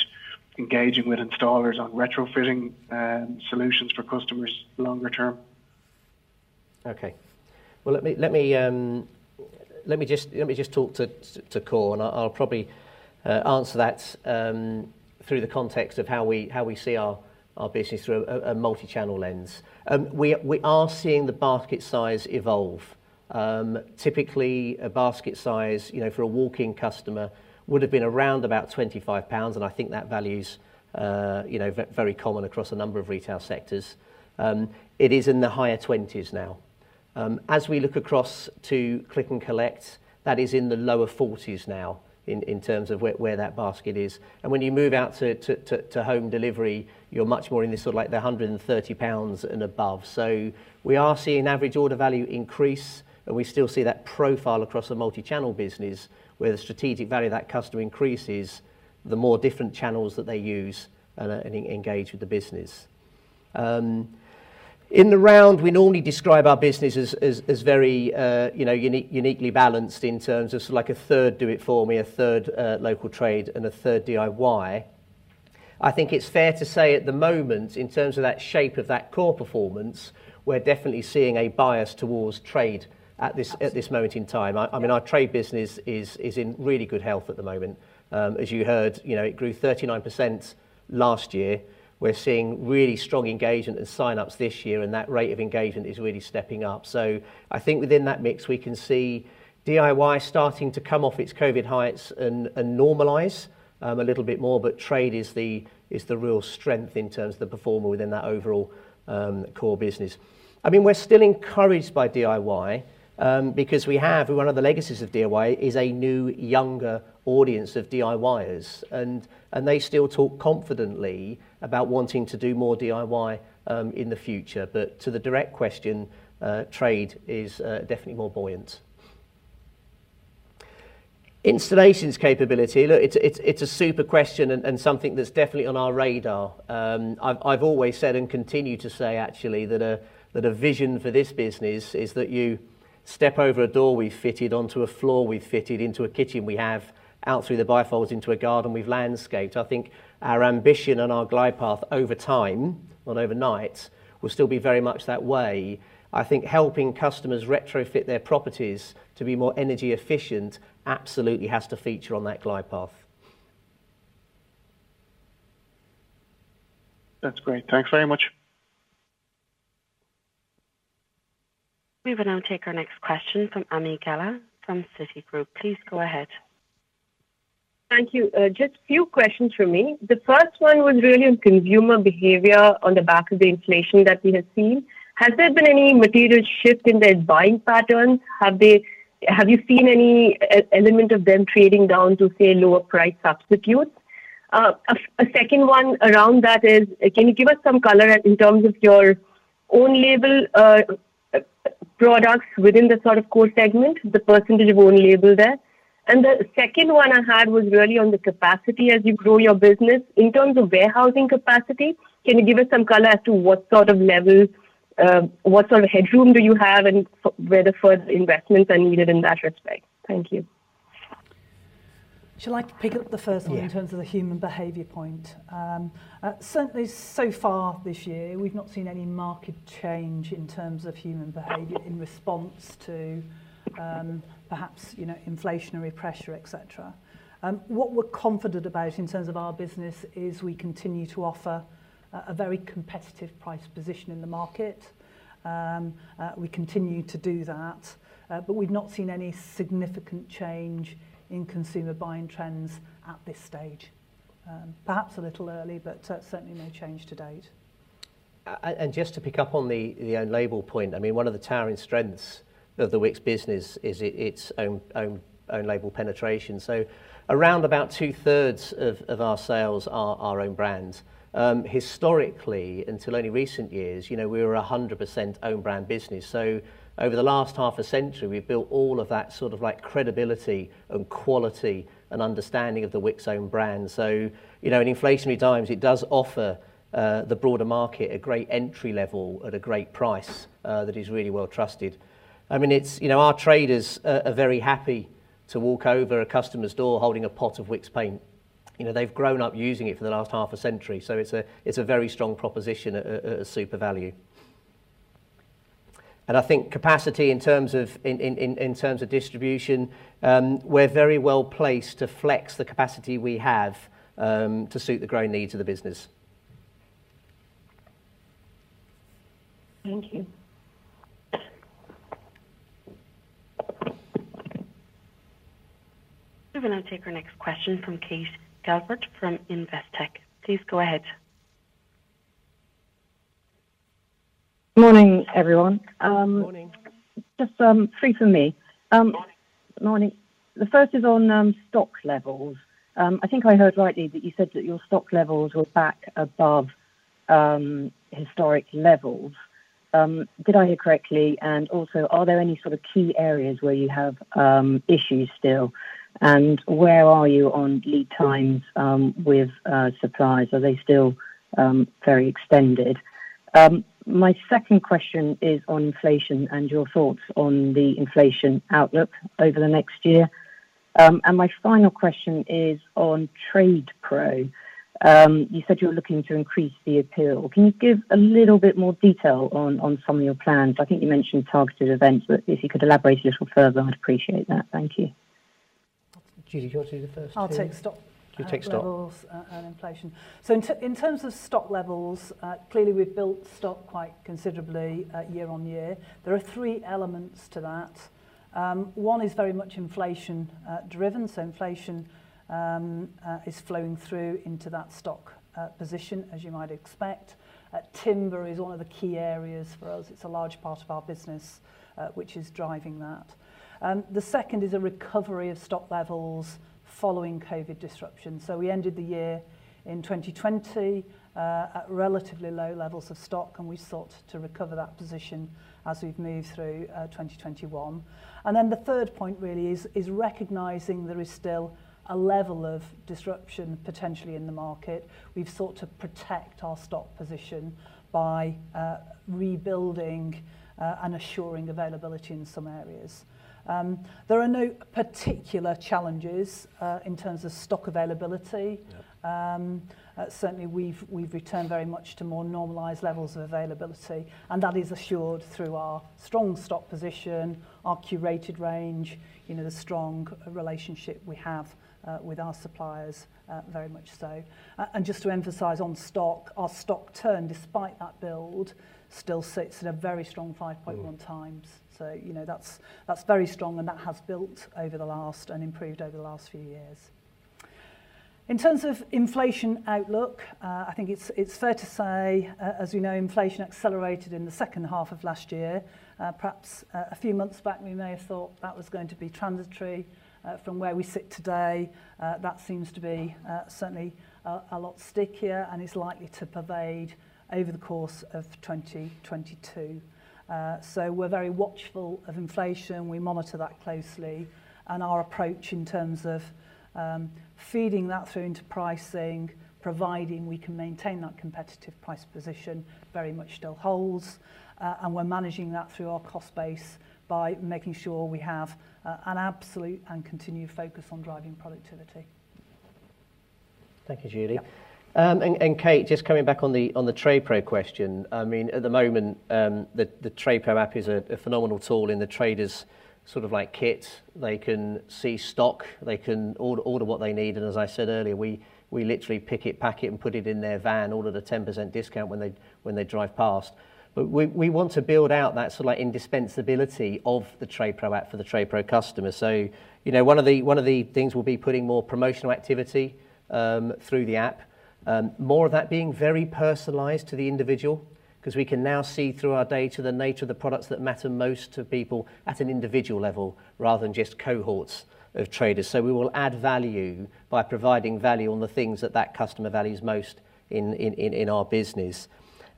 engaging with installers on retrofitting solutions for customers longer term? Okay. Well, let me just talk to Core, and I'll probably answer that through the context of how we see our business through a multi-channel lens. We are seeing the basket size evolve. Typically, a basket size, you know, for a walk-in customer would have been around about 25 pounds, and I think that value's very common across a number of retail sectors. It is in the higher 20s now. As we look across to click and collect, that is in the lower 40s now in terms of where that basket is. When you move out to home delivery, you're much more in this sort of like the 130 pounds and above. We are seeing average order value increase, and we still see that profile across a multi-channel business where the strategic value of that customer increases the more different channels that they use and engage with the business. In the round, we normally describe our business as very uniquely balanced in terms of sort of like a third Do It For Me, a third local trade, and a third DIY. I think it's fair to say at the moment, in terms of that shape of that core performance, we're definitely seeing a bias towards trade at this moment in time. I mean, our trade business is in really good health at the moment. As you heard, it grew 39% last year. We're seeing really strong engagement and sign-ups this year, and that rate of engagement is really stepping up. I think within that mix, we can see DIY starting to come off its COVID heights and normalize a little bit more, but trade is the real strength in terms of the performer within that overall core business. I mean, we're still encouraged by DIY because one of the legacies of DIY is a new, younger audience of DIYers, and they still talk confidently about wanting to do more DIY in the future. To the direct question, trade is definitely more buoyant. Installations capability, look, it's a super question and something that's definitely on our radar. I've always said and continue to say actually that a vision for this business is that you step over a door we've fitted, onto a floor we've fitted, into a kitchen we have, out through the bifolds into a garden we've landscaped. I think our ambition and our glide path over time, not overnight, will still be very much that way. I think helping customers retrofit their properties to be more energy efficient absolutely has to feature on that glide path. That's great. Thanks very much. We will now take our next question from Ami Galla from Citigroup. Please go ahead. Thank you. Just few questions from me. The first one was really on consumer behavior on the back of the inflation that we have seen. Has there been any material shift in their buying pattern? Have you seen any element of them trading down to, say, lower price substitutes? A second one around that is, can you give us some color in terms of your own label products within the sort of core segment, the percentage of own label there? The second one I had was really on the capacity as you grow your business. In terms of warehousing capacity, can you give us some color as to what sort of levels, what sort of headroom do you have and where the further investments are needed in that respect? Thank you. Should I pick up the first one- Yeah. In terms of the human behavior point. Certainly so far this year, we've not seen any market change in terms of human behavior in response to, perhaps, you know, inflationary pressure, et cetera. What we're confident about in terms of our business is we continue to offer a very competitive price position in the market. We continue to do that, but we've not seen any significant change in consumer buying trends at this stage. Perhaps a little early, but certainly no change to date. Just to pick up on the own label point, I mean, one of the towering strengths of the Wickes business is it's own label penetration. Around about two-thirds of our sales are our own brands. Historically, until only recent years, you know, we were 100% own brand business. Over the last half a century, we've built all of that sort of, like, credibility and quality and understanding of the Wickes own brand. You know, in inflationary times, it does offer the broader market a great entry level at a great price that is really well trusted. I mean, it's. You know, our traders are very happy to walk over a customer's door holding a pot of Wickes paint. You know, they've grown up using it for the last half a century, so it's a very strong proposition at super value. I think capacity in terms of distribution, we're very well placed to flex the capacity we have, to suit the growing needs of the business. Thank you. We will now take our next question from Kate Calvert from Investec. Please go ahead. Morning, everyone. Morning. Just three from me. Morning. Morning. The first is on stock levels. I think I heard rightly that you said that your stock levels were back above historic levels. Did I hear correctly? And also, are there any sort of key areas where you have issues still? And where are you on lead times with suppliers? Are they still very extended? My second question is on inflation and your thoughts on the inflation outlook over the next year. And my final question is on TradePro. You said you were looking to increase the appeal. Can you give a little bit more detail on some of your plans? I think you mentioned targeted events, but if you could elaborate a little further, I'd appreciate that. Thank you. Judy, do you want to do the first two? I'll take stock- You take stock.... levels and inflation. In terms of stock levels, clearly we've built stock quite considerably, year on year. There are three elements to that. One is very much inflation driven, so inflation is flowing through into that stock position as you might expect. Timber is one of the key areas for us. It's a large part of our business, which is driving that. The second is a recovery of stock levels following COVID disruption. We ended the year in 2020 at relatively low levels of stock, and we sought to recover that position as we've moved through 2021. The third point really is recognizing there is still a level of disruption potentially in the market. We've sought to protect our stock position by rebuilding and assuring availability in some areas. There are no particular challenges in terms of stock availability. Yeah. Certainly we've returned very much to more normalized levels of availability, and that is assured through our strong stock position, our curated range, you know, the strong relationship we have with our suppliers, very much so. And just to emphasize on stock, our stock turn, despite that build, still sits at a very strong 5.1 times. You know, that's very strong, and that has built and improved over the last few years. In terms of inflation outlook, I think it's fair to say, as we know, inflation accelerated in the second half of last year. Perhaps a few months back, we may have thought that was going to be transitory. From where we sit today, that seems to be certainly a lot stickier and is likely to pervade over the course of 2022. We're very watchful of inflation. We monitor that closely, and our approach in terms of feeding that through into pricing, providing we can maintain that competitive price position very much still holds. We're managing that through our cost base by making sure we have an absolute and continued focus on driving productivity. Thank you, Judy. Yeah. Kate, just coming back on the TradePro question. I mean, at the moment, the TradePro app is a phenomenal tool in the traders' sort of like kit. They can see stock. They can order what they need. And as I said earlier, we literally pick it, pack it, and put it in their van, offer the 10% discount when they drive past. But we want to build out that sort of like indispensability of the TradePro app for the TradePro customer. You know, one of the things we will be putting more promotional activity through the app, more of that being very personalized to the individual, 'cause we can now see through our data the nature of the products that matter most to people at an individual level rather than just cohorts of traders. We will add value by providing value on the things that customer values most in our business.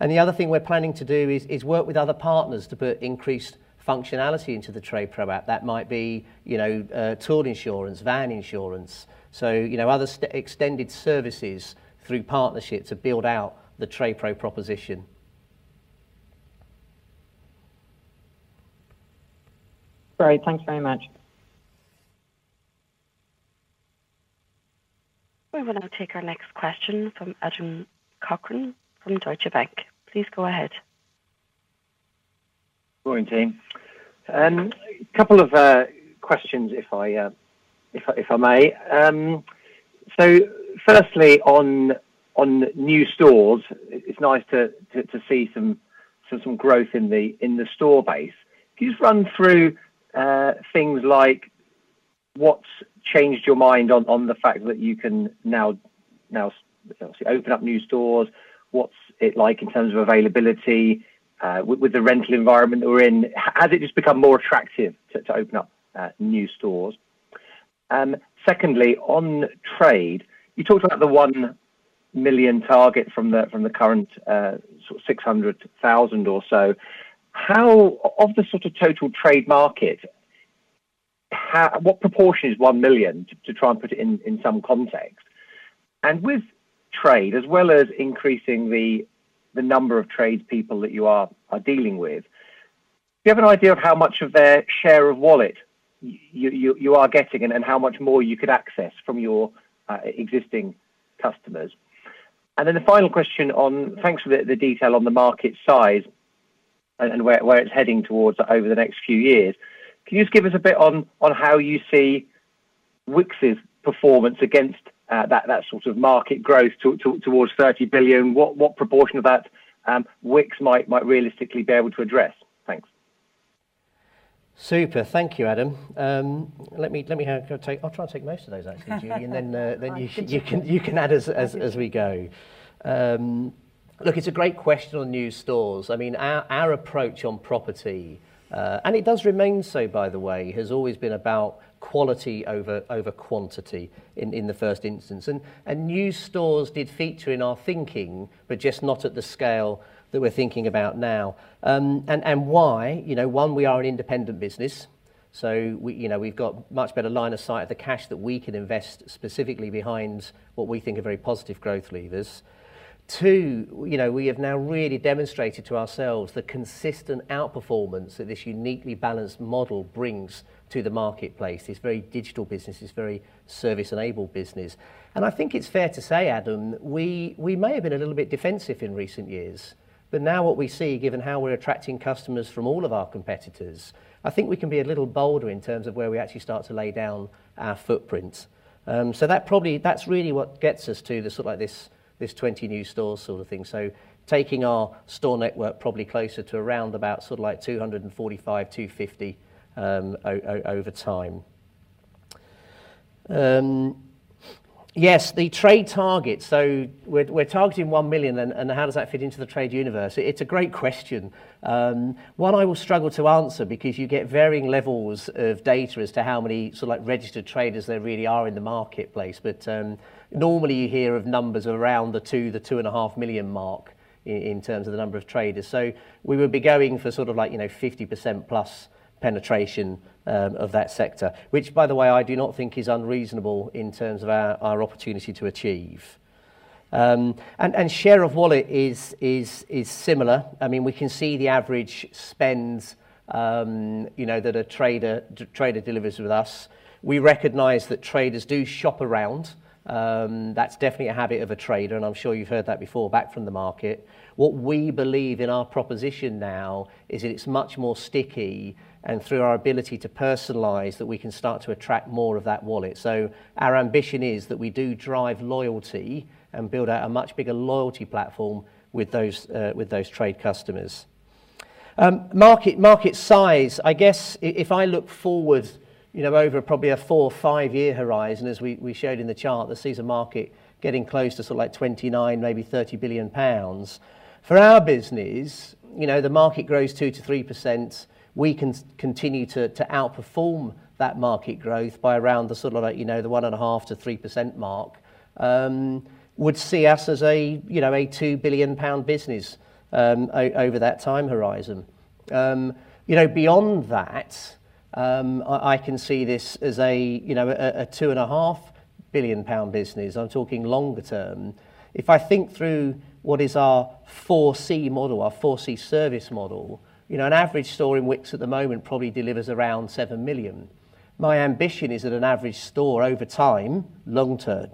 The other thing we're planning to do is work with other partners to put increased functionality into the TradePro app. That might be, you know, tool insurance, van insurance. You know, other extended services through partnerships that build out the TradePro proposition. Great. Thank you very much. We will now take our next question from Adam Cochrane from Deutsche Bank. Please go ahead. Morning, team. A couple of questions if I may. So firstly on new stores, it's nice to see some growth in the store base. Can you just run through things like what's changed your mind on the fact that you can now open up new stores? What's it like in terms of availability with the rental environment that we're in? Has it just become more attractive to open up new stores? Secondly, on trade, you talked about the 1 million target from the current sort of 600,000 or so. Of the sort of total trade market, what proportion is 1 million, to try and put it in some context? With trade, as well as increasing the number of tradespeople that you are dealing with, do you have an idea of how much of their share of wallet you are getting and how much more you could access from your existing customers? Then the final question on, thanks for the detail on the market size and where it's heading towards over the next few years. Can you just give us a bit on how you see Wickes' performance against that sort of market growth towards 30 billion? What proportion of that Wickes might realistically be able to address? Thanks. Super. Thank you, Adam. Let me have a take. I'll try and take most of those actually, Julie, and then you can add as we go. Look, it's a great question on new stores. I mean, our approach on property, and it does remain so by the way, has always been about quality over quantity in the first instance. New stores did feature in our thinking, but just not at the scale that we're thinking about now. Why? You know, one, we are an independent business, so we, you know, we've got much better line of sight of the cash that we can invest specifically behind what we think are very positive growth levers. Too, you know, we have now really demonstrated to ourselves the consistent outperformance that this uniquely balanced model brings to the marketplace, this very digital business, this very service-enabled business. I think it's fair to say, Adam, we may have been a little bit defensive in recent years, but now what we see, given how we're attracting customers from all of our competitors, I think we can be a little bolder in terms of where we actually start to lay down our footprint that probably that's really what gets us to the sort of like this 20 new store sort of thing. Taking our store network probably closer to around about sort of like 245, 250 over time. Yes, the trade target. We're targeting 1 million, and how does that fit into the trade universe? It's a great question. One I will struggle to answer because you get varying levels of data as to how many sort of like registered traders there really are in the marketplace. Normally you hear of numbers around the 2.5 million mark in terms of the number of traders. We would be going for sort of like, you know, 50% plus penetration of that sector, which by the way, I do not think is unreasonable in terms of our opportunity to achieve. And share of wallet is similar. I mean, we can see the average spends, you know, that a trader delivers with us. We recognize that traders do shop around. That's definitely a habit of a trader, and I'm sure you've heard that before back from the market. What we believe in our proposition now is that it's much more sticky and through our ability to personalize, that we can start to attract more of that wallet. Our ambition is that we do drive loyalty and build out a much bigger loyalty platform with those, with those trade customers. Market size. I guess if I look forward, you know, over probably a four or five-year horizon, as we showed in the chart, that sees a market getting close to sort of like 29 billion, maybe 30 billion pounds. For our business, you know, the market grows 2%-3%. We can continue to outperform that market growth by around the sort of like, you know, the 1.5%-3% mark, would see us as a, you know, a 2 billion pound business, over that time horizon. You know, beyond that, I can see this as a two and a half billion pound business. I'm talking longer term. If I think through what is our 4C model, our 4C service model, you know, an average store in Wickes at the moment probably delivers around 7 million. My ambition is that an average store over time, long term,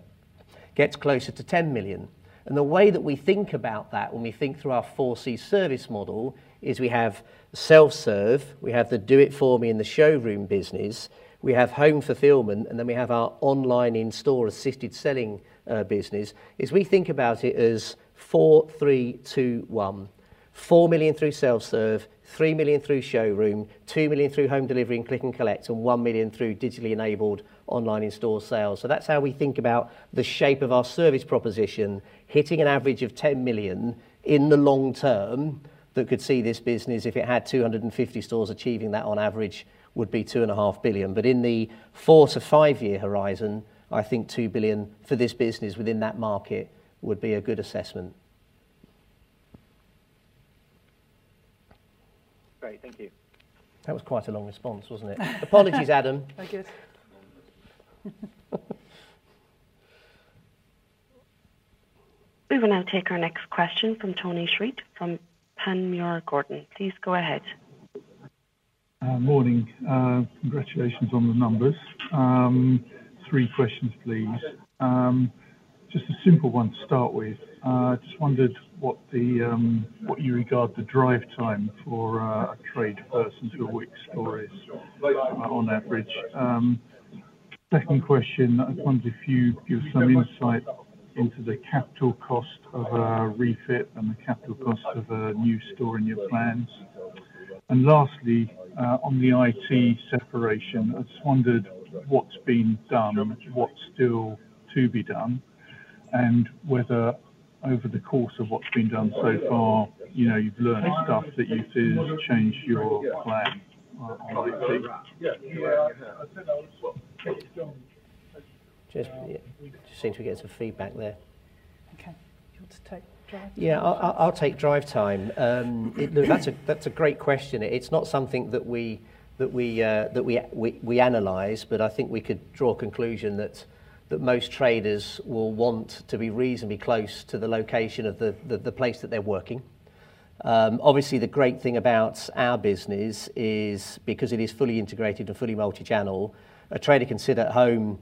gets closer to 10 million. The way that we think about that when we think through our 4C service model is we have self-serve, we have the Do It For Me in the showroom business, we have home fulfillment, and then we have our online in-store assisted selling business. We think about it as four, three, two, one. 4 million through self-serve, 3 million through showroom, 2 million through home delivery and click and collect, and 1 million through digitally enabled online in store sales. That's how we think about the shape of our service proposition, hitting an average of 10 million in the long term that could see this business, if it had 250 stores achieving that on average, would be 2.5 billion. In the four to five-year horizon, I think 2 billion for this business within that market would be a good assessment. Great. Thank you. That was quite a long response, wasn't it? Apologies, Adam. All good. We will now take our next question from Tony Shiret from Panmure Gordon. Please go ahead. Morning. Congratulations on the numbers. Three questions, please. Just a simple one to start with. Just wondered what you regard the drive time for a trade person to a Wickes store is on average. Second question, I wondered if you'd give some insight into the capital cost of a refit and the capital cost of a new store in your plans. Lastly, on the IT separation, I just wondered what's been done, what's still to be done, and whether over the course of what's been done so far, you know, you've learned stuff that you'd do to change your plan on IT. Just, yeah. Just seem to be getting some feedback there. Okay. Do you want to take drive time? Yeah, I'll take drive time. Look, that's a great question. It's not something that we analyze, but I think we could draw a conclusion that most traders will want to be reasonably close to the location of the place that they're working. Obviously the great thing about our business is because it is fully integrated and fully multi-channel, a trader can sit at home,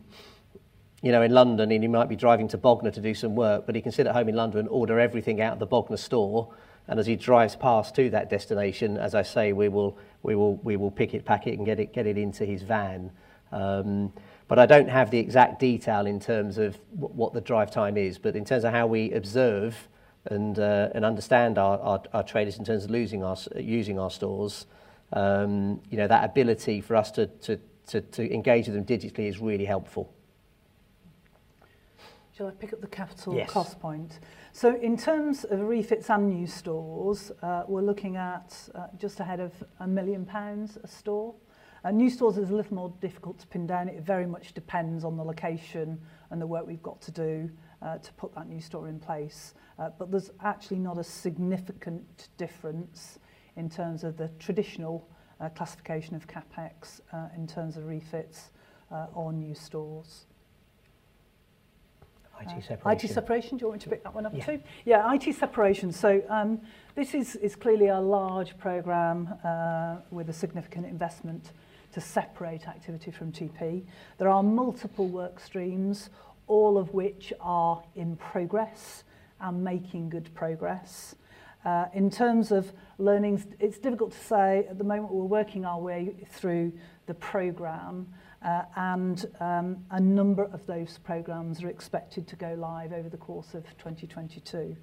you know, in London, and he might be driving to Bognor to do some work, but he can sit at home in London, order everything out of the Bognor store, and as he drives past to that destination, as I say, we will pick it, pack it, and get it into his van. I don't have the exact detail in terms of what the drive time is. In terms of how we observe and understand our traders in terms of using our stores, you know, that ability for us to engage with them digitally is really helpful. Shall I pick up the capital cost point? Yes. In terms of refits and new stores, we're looking at just ahead of 1 million pounds a store. New stores is a little more difficult to pin down. It very much depends on the location and the work we've got to do to put that new store in place. There's actually not a significant difference in terms of the traditional classification of CapEx in terms of refits or new stores. IT separation. IT separation. Do you want me to pick that one up too? Yeah. Yeah, IT separation. This is clearly a large program with a significant investment to separate activity from TP. There are multiple work streams, all of which are in progress and making good progress. In terms of learnings, it's difficult to say. At the moment, we're working our way through the program, and a number of those programs are expected to go live over the course of 2022.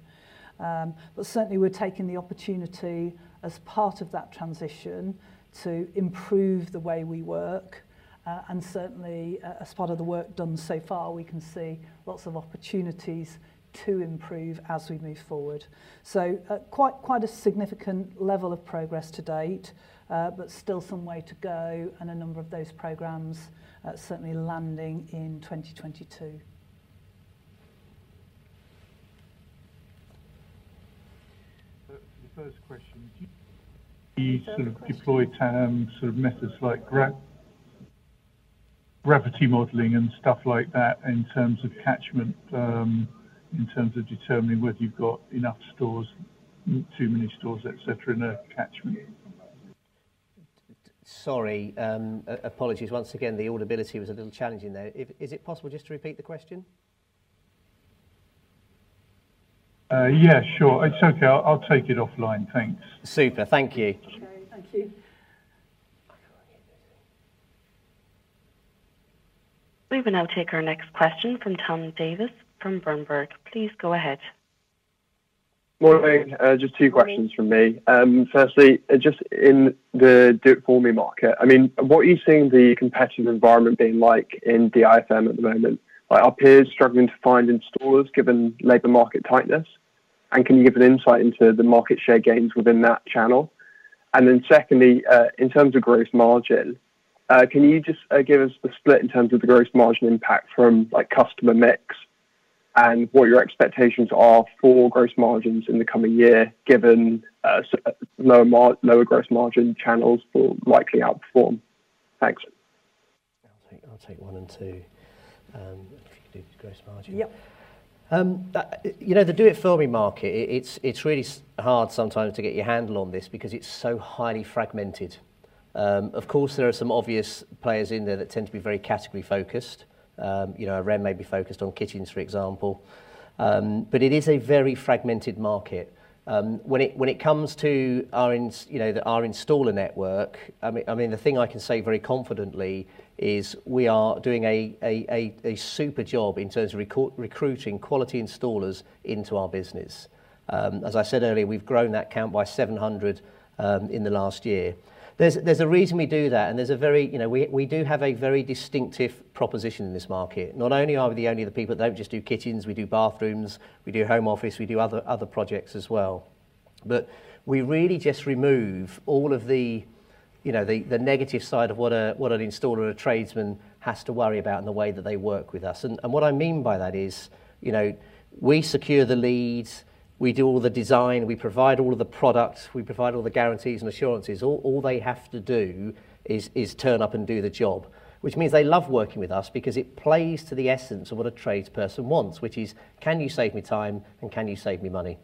Certainly we're taking the opportunity as part of that transition to improve the way we work, and certainly as part of the work done so far, we can see lots of opportunities to improve as we move forward. Quite a significant level of progress to date, still some way to go and a number of those programs certainly landing in 2022. For the first question, do you sort of deploy TAM sort of methods like gravity modeling and stuff like that in terms of catchment, in terms of determining whether you've got enough stores, too many stores, et cetera, in a catchment? Sorry. Apologies. Once again, the audibility was a little challenging there. Is it possible just to repeat the question? Yeah, sure. It's okay. I'll take it offline. Thanks. Super. Thank you. Okay. Thank you. We will now take our next question from Tom Davies from Berenberg. Please go ahead. Morning. Just two questions from me. Firstly, just in the Do It For Me market, I mean, what are you seeing the competitive environment being like in DIFM at the moment? Are our peers struggling to find installers given labor market tightness? And can you give an insight into the market share gains within that channel? And then secondly, in terms of gross margin, can you just give us the split in terms of the gross margin impact from like customer mix and what your expectations are for gross margins in the coming year, given lower gross margin channels will likely outperform? Thanks. I'll take one and two. If you could do gross margin. Yep. You know, the Do It For Me market, it's really hard sometimes to get a handle on this because it's so highly fragmented. Of course, there are some obvious players in there that tend to be very category-focused. You know, Wren may be focused on kitchens, for example. But it is a very fragmented market. When it comes to our installer network, I mean, the thing I can say very confidently is we are doing a super job in terms of recruiting quality installers into our business. As I said earlier, we've grown that count by 700 in the last year. There's a reason we do that, and there's a very, you know, we do have a very distinctive proposition in this market. Not only are we the only people that don't just do kitchens, we do bathrooms, we do home office, we do other projects as well. We really just remove all of the, you know, the negative side of what an installer or a tradesman has to worry about in the way that they work with us. What I mean by that is, you know, we secure the leads, we do all the design, we provide all of the products, we provide all the guarantees and assurances. All they have to do is turn up and do the job, which means they love working with us because it plays to the essence of what a trades person wants, which is, can you save me time and can you save me money?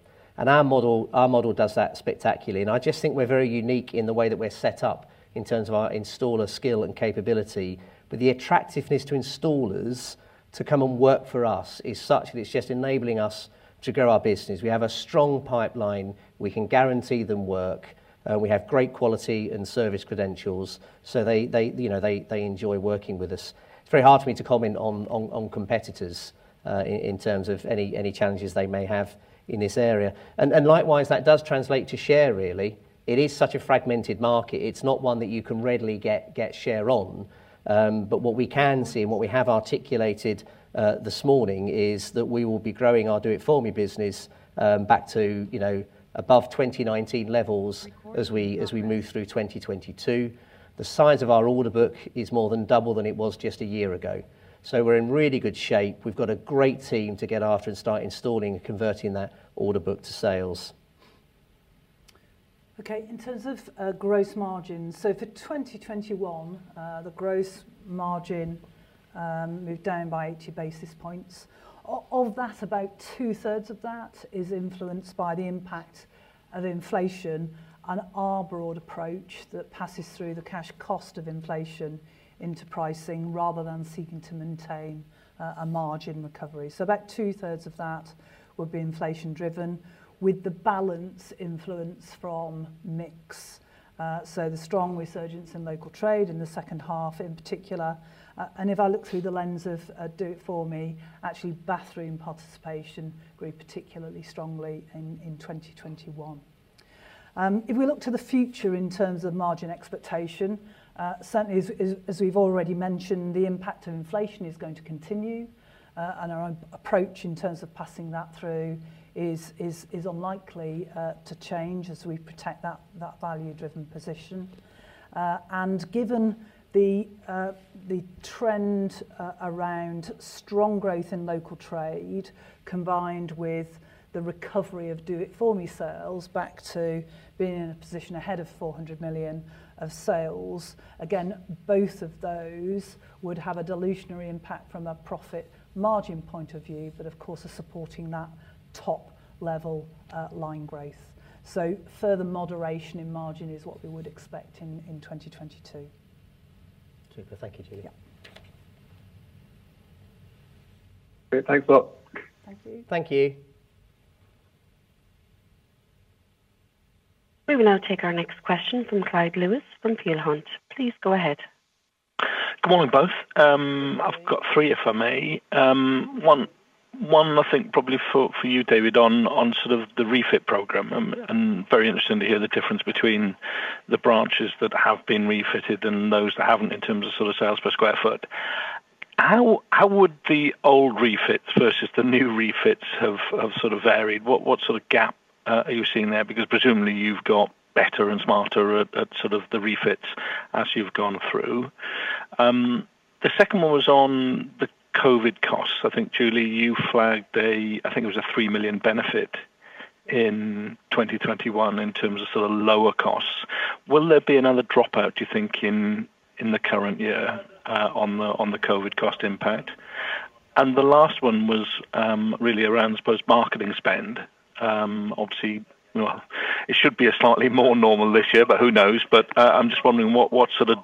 Our model does that spectacularly, and I just think we're very unique in the way that we're set up in terms of our installer skill and capability. The attractiveness to installers to come and work for us is such that it's just enabling us to grow our business. We have a strong pipeline, we can guarantee them work, we have great quality and service credentials, so they, you know, they enjoy working with us. It's very hard for me to comment on competitors in terms of any challenges they may have in this area. Likewise, that does translate to share really. It is such a fragmented market. It's not one that you can readily get share on. What we can see and what we have articulated this morning is that we will be growing our Do It For Me business back to, you know, above 2019 levels as we move through 2022. The size of our order book is more than double than it was just a year ago. We're in really good shape. We've got a great team to get after and start installing and converting that order book to sales. Okay, in terms of gross margins. For 2021, the gross margin moved down by 80 basis points. Of that, about two-thirds of that is influenced by the impact of inflation and our broad approach that passes through the cash cost of inflation into pricing rather than seeking to maintain a margin recovery. About two-thirds of that would be inflation driven with the balance influence from mix. The strong resurgence in local trade in the second half in particular. If I look through the lens of Do It For Me, actually bathroom participation grew particularly strongly in 2021. If we look to the future in terms of margin expectation, certainly as we've already mentioned, the impact of inflation is going to continue, and our own approach in terms of passing that through is unlikely to change as we protect that value-driven position. Given the trend around strong growth in local trade, combined with the recovery of Do It For Me sales back to being in a position ahead of 400 million of sales, again, both of those would have a dilutive impact from a profit margin point of view, but of course, are supporting that top-line growth. Further moderation in margin is what we would expect in 2022. Super. Thank you, Julie. Yeah. Great. Thanks a lot. Thank you. Thank you. We will now take our next question from Clyde Lewis from Peel Hunt. Please go ahead. Good morning, both. I've got three, if I may. One I think probably for you, David, on sort of the refit program, and very interesting to hear the difference between the branches that have been refitted and those that haven't in terms of sort of sales per square foot. How would the old refits versus the new refits have varied? What sort of gap are you seeing there? Because presumably you've got better and smarter at sort of the refits as you've gone through. The second one was on the COVID costs. I think, Julie, you flagged a, I think it was a 3 million benefit in 2021 in terms of sort of lower costs. Will there be another dropout, do you think, in the current year, on the COVID cost impact? The last one was really around, I suppose, marketing spend. Obviously, you know, it should be a slightly more normal this year, but who knows? I'm just wondering what sort of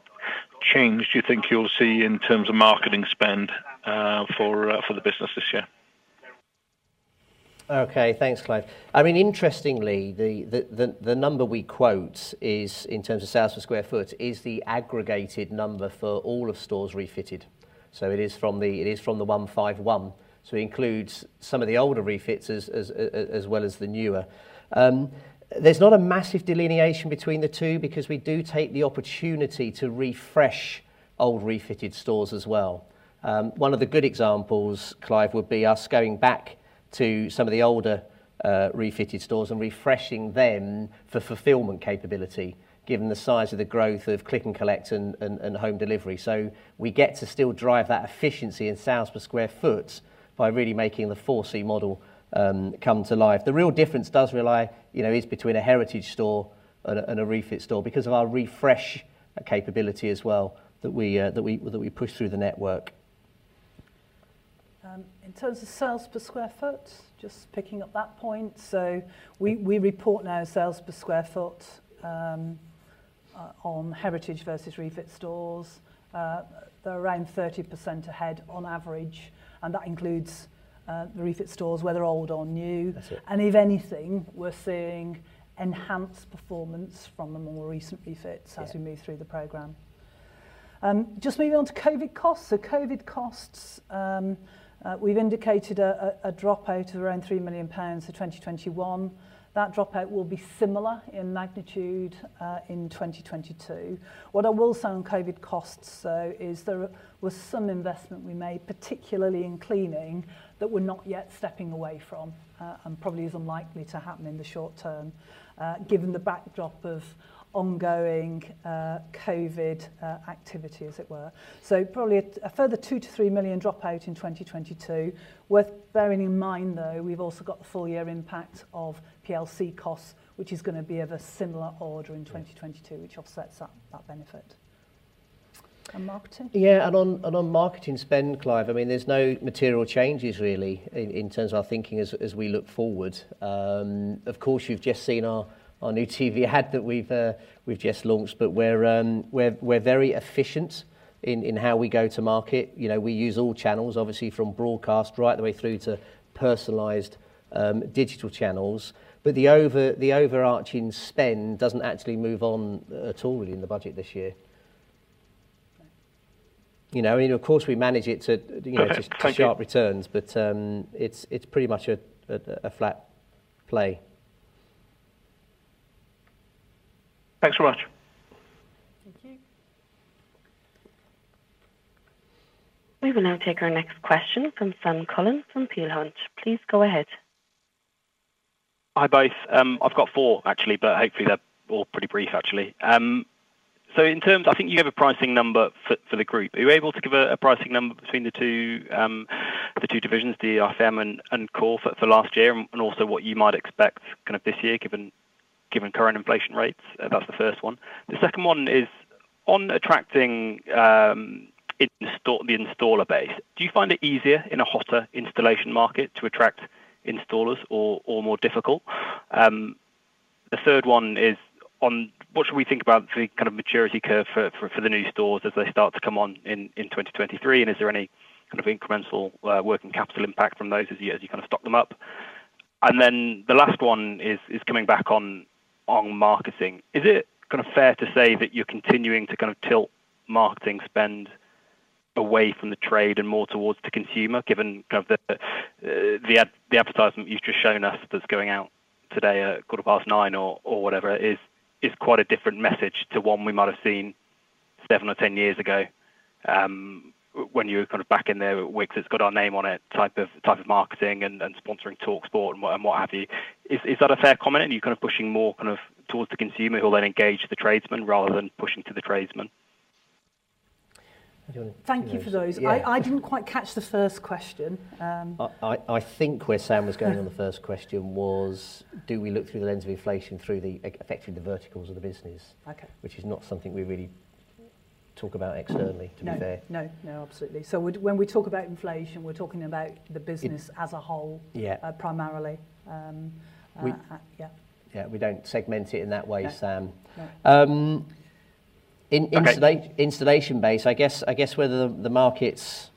change do you think you'll see in terms of marketing spend, for the business this year? Okay. Thanks, Clive. I mean, interestingly, the number we quote is in terms of sales per sq ft is the aggregated number for all of stores refitted. So it is from the 151. So it includes some of the older refits as well as the newer. There's not a massive delineation between the two because we do take the opportunity to refresh old refitted stores as well. One of the good examples, Clive, would be us going back to some of the older refitted stores and refreshing them for fulfillment capability, given the size of the growth of click and collect and home delivery. So we get to still drive that efficiency in sales per sq ft by really making the 4C model come to life. The real difference does rely, you know, is between a heritage store and a refit store because of our refresh capability as well that we push through the network. In terms of sales per square foot, just picking up that point. We report now sales per square foot on heritage versus refit stores. They're around 30% ahead on average, and that includes the refit stores, whether old or new. That's it. If anything, we're seeing enhanced performance from the more recent refits. Yeah As we move through the program. Just moving on to COVID costs. COVID costs, we've indicated a dropout of around 3 million pounds for 2021. That dropout will be similar in magnitude in 2022. What I will say on COVID costs, though, is there were some investment we made, particularly in cleaning, that we're not yet stepping away from, and probably is unlikely to happen in the short term, given the backdrop of ongoing COVID activity, as it were. Probably a further 2 million-3 million dropout in 2022. Worth bearing in mind, though, we've also got the full year impact of PLC costs, which is gonna be of a similar order in 2022, which offsets that benefit. Marketing? Yeah. On marketing spend, Clive, I mean, there's no material changes really in terms of our thinking as we look forward. Of course, you've just seen our new TV ad that we've just launched, but we're very efficient in how we go to market. You know, we use all channels, obviously from broadcast right the way through to personalized digital channels. The overarching spend doesn't actually move on at all really in the budget this year. You know, of course, we manage it to you know- Okay. Thank you it's pretty much a flat play. Thanks very much. Thank you. We will now take our next question from Sam Cullen from Peel Hunt. Please go ahead. Hi, both. I've got four actually, but hopefully they're all pretty brief, actually. In terms, I think you have a pricing number for the group. Are you able to give a pricing number between the two divisions, the DIFM and DIY for last year and also what you might expect kind of this year given current inflation rates? That's the first one. The second one is on attracting the installer base, do you find it easier in a hotter installation market to attract installers or more difficult? The third one is on what should we think about the kind of maturity curve for the new stores as they start to come on in 2023 and is there any kind of incremental working capital impact from those as you kind of stock them up? Then the last one is coming back on marketing. Is it kind of fair to say that you're continuing to kind of tilt marketing spend away from the trade and more towards the consumer given kind of the advertisement you've just shown us that's going out today at 9:15 A.M. or whatever is quite a different message to one we might have seen seven or 10 years ago, when you were kind of back in the Wickes has got our name on it type of marketing and sponsoring talkSPORT and what have you. Is that a fair comment? Are you kind of pushing more kind of towards the consumer who will then engage the tradesman rather than pushing to the tradesman? Do you wanna- Thank you for those. Yeah. I didn't quite catch the first question. I think where Sam was going on the first question was, do we look through the lens of inflation affecting the verticals of the business? Okay. Which is not something we really talk about externally, to be fair. No, absolutely. When we talk about inflation, we're talking about the business as a whole. Yeah primarily. We- Yeah. Yeah, we don't segment it in that way, Sam. No. in installa- Okay installation base, I guess whether the market's,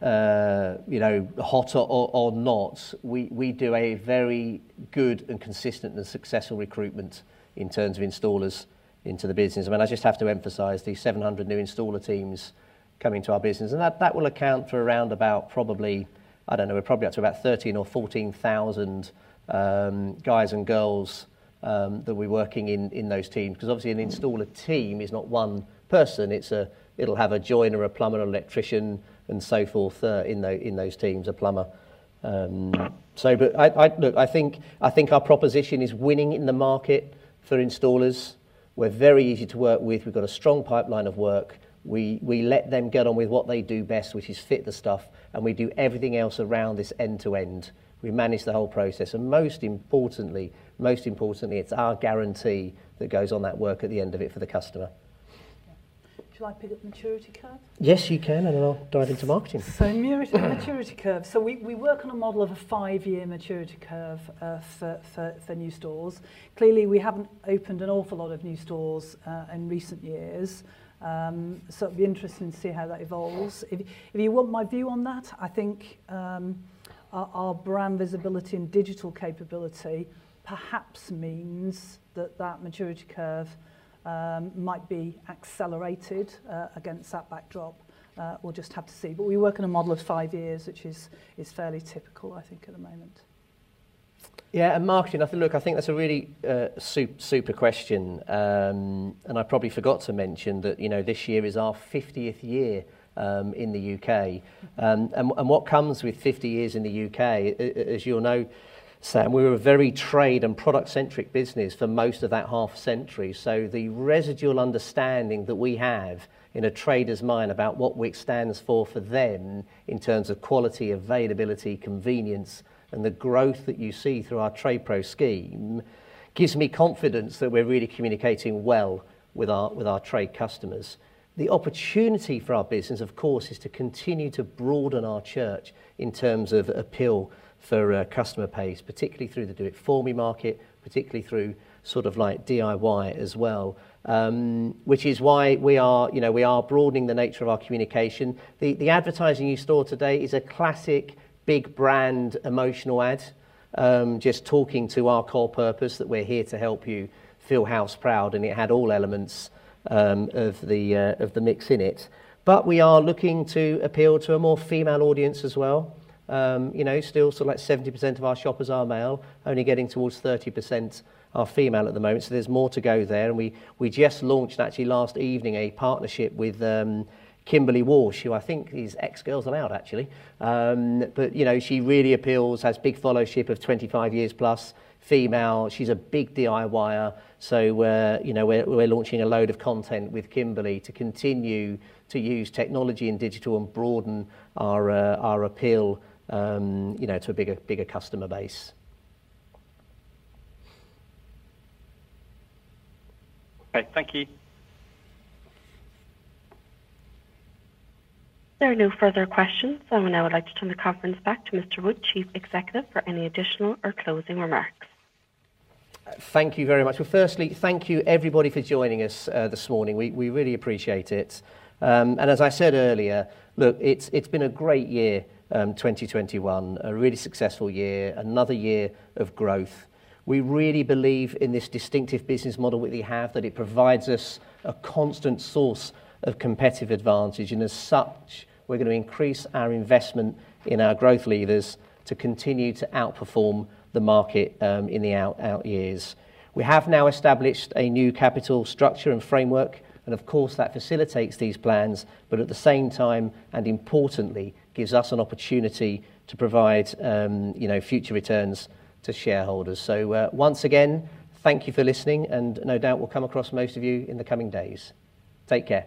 you know, hotter or not, we do a very good and consistent and successful recruitment in terms of installers into the business. I mean, I just have to emphasize the 700 new installer teams coming to our business, and that will account for around about probably, I don't know, we're probably up to about 13 or 14 thousand guys and girls that we're working in those teams, 'cause obviously an installer team is not one person. It'll have a joiner, a plumber, an electrician and so forth in those teams, a plumber. Look, I think our proposition is winning in the market for installers. We're very easy to work with. We've got a strong pipeline of work. We let them get on with what they do best, which is fit the stuff, and we do everything else around this end to end. We manage the whole process. Most importantly, it's our guarantee that goes on that work at the end of it for the customer. Yeah. Should I pick up maturity curve? Yes, you can and then I'll dive into marketing. Maturity curve. We work on a model of a five-year maturity curve for new stores. Clearly, we haven't opened an awful lot of new stores in recent years. It'll be interesting to see how that evolves. If you want my view on that, I think our brand visibility and digital capability perhaps means that maturity curve might be accelerated against that backdrop. We'll just have to see. We work on a model of five years, which is fairly typical, I think, at the moment. Yeah. Marketing, I think, look, I think that's a really super question. I probably forgot to mention that, you know, this year is our 50th year in the U.K. What comes with 50 years in the U.K., as you'll know, Sam, we're a very trade and product centric business for most of that half century. The residual understanding that we have in a trader's mind about what Wickes stands for them in terms of quality, availability, convenience, and the growth that you see through our TradePro scheme, gives me confidence that we're really communicating well with our trade customers. The opportunity for our business, of course, is to continue to broaden our church in terms of appeal for a customer base, particularly through the Do It For Me market, particularly through sort of like DIY as well, which is why we are, you know, broadening the nature of our communication. The advertising you saw today is a classic big brand emotional ad, just talking to our core purpose that we're here to help you feel house proud, and it had all elements of the mix in it. But we are looking to appeal to a more female audience as well. You know, still sort of like 70% of our shoppers are male, only getting towards 30% are female at the moment. There's more to go there. We just launched actually last evening a partnership with Kimberley Walsh, who I think is ex-Girls Aloud, actually. You know, she really appeals, has big followership of 25 years plus, female. She's a big DIYer. We're, you know, launching a load of content with Kimberley to continue to use technology and digital and broaden our appeal, you know, to a bigger customer base. Okay. Thank you. There are no further questions. I would now like to turn the conference back to Mr. Wood, Chief Executive, for any additional or closing remarks. Thank you very much. Well, firstly, thank you everybody for joining us this morning. We really appreciate it. And as I said earlier, look, it's been a great year, 2021, a really successful year, another year of growth. We really believe in this distinctive business model we have, that it provides us a constant source of competitive advantage, and as such, we're gonna increase our investment in our growth leaders to continue to outperform the market in the out years. We have now established a new capital structure and framework, and of course, that facilitates these plans, but at the same time, and importantly, gives us an opportunity to provide you know, future returns to shareholders. Once again, thank you for listening, and no doubt we'll come across most of you in the coming days. Take care.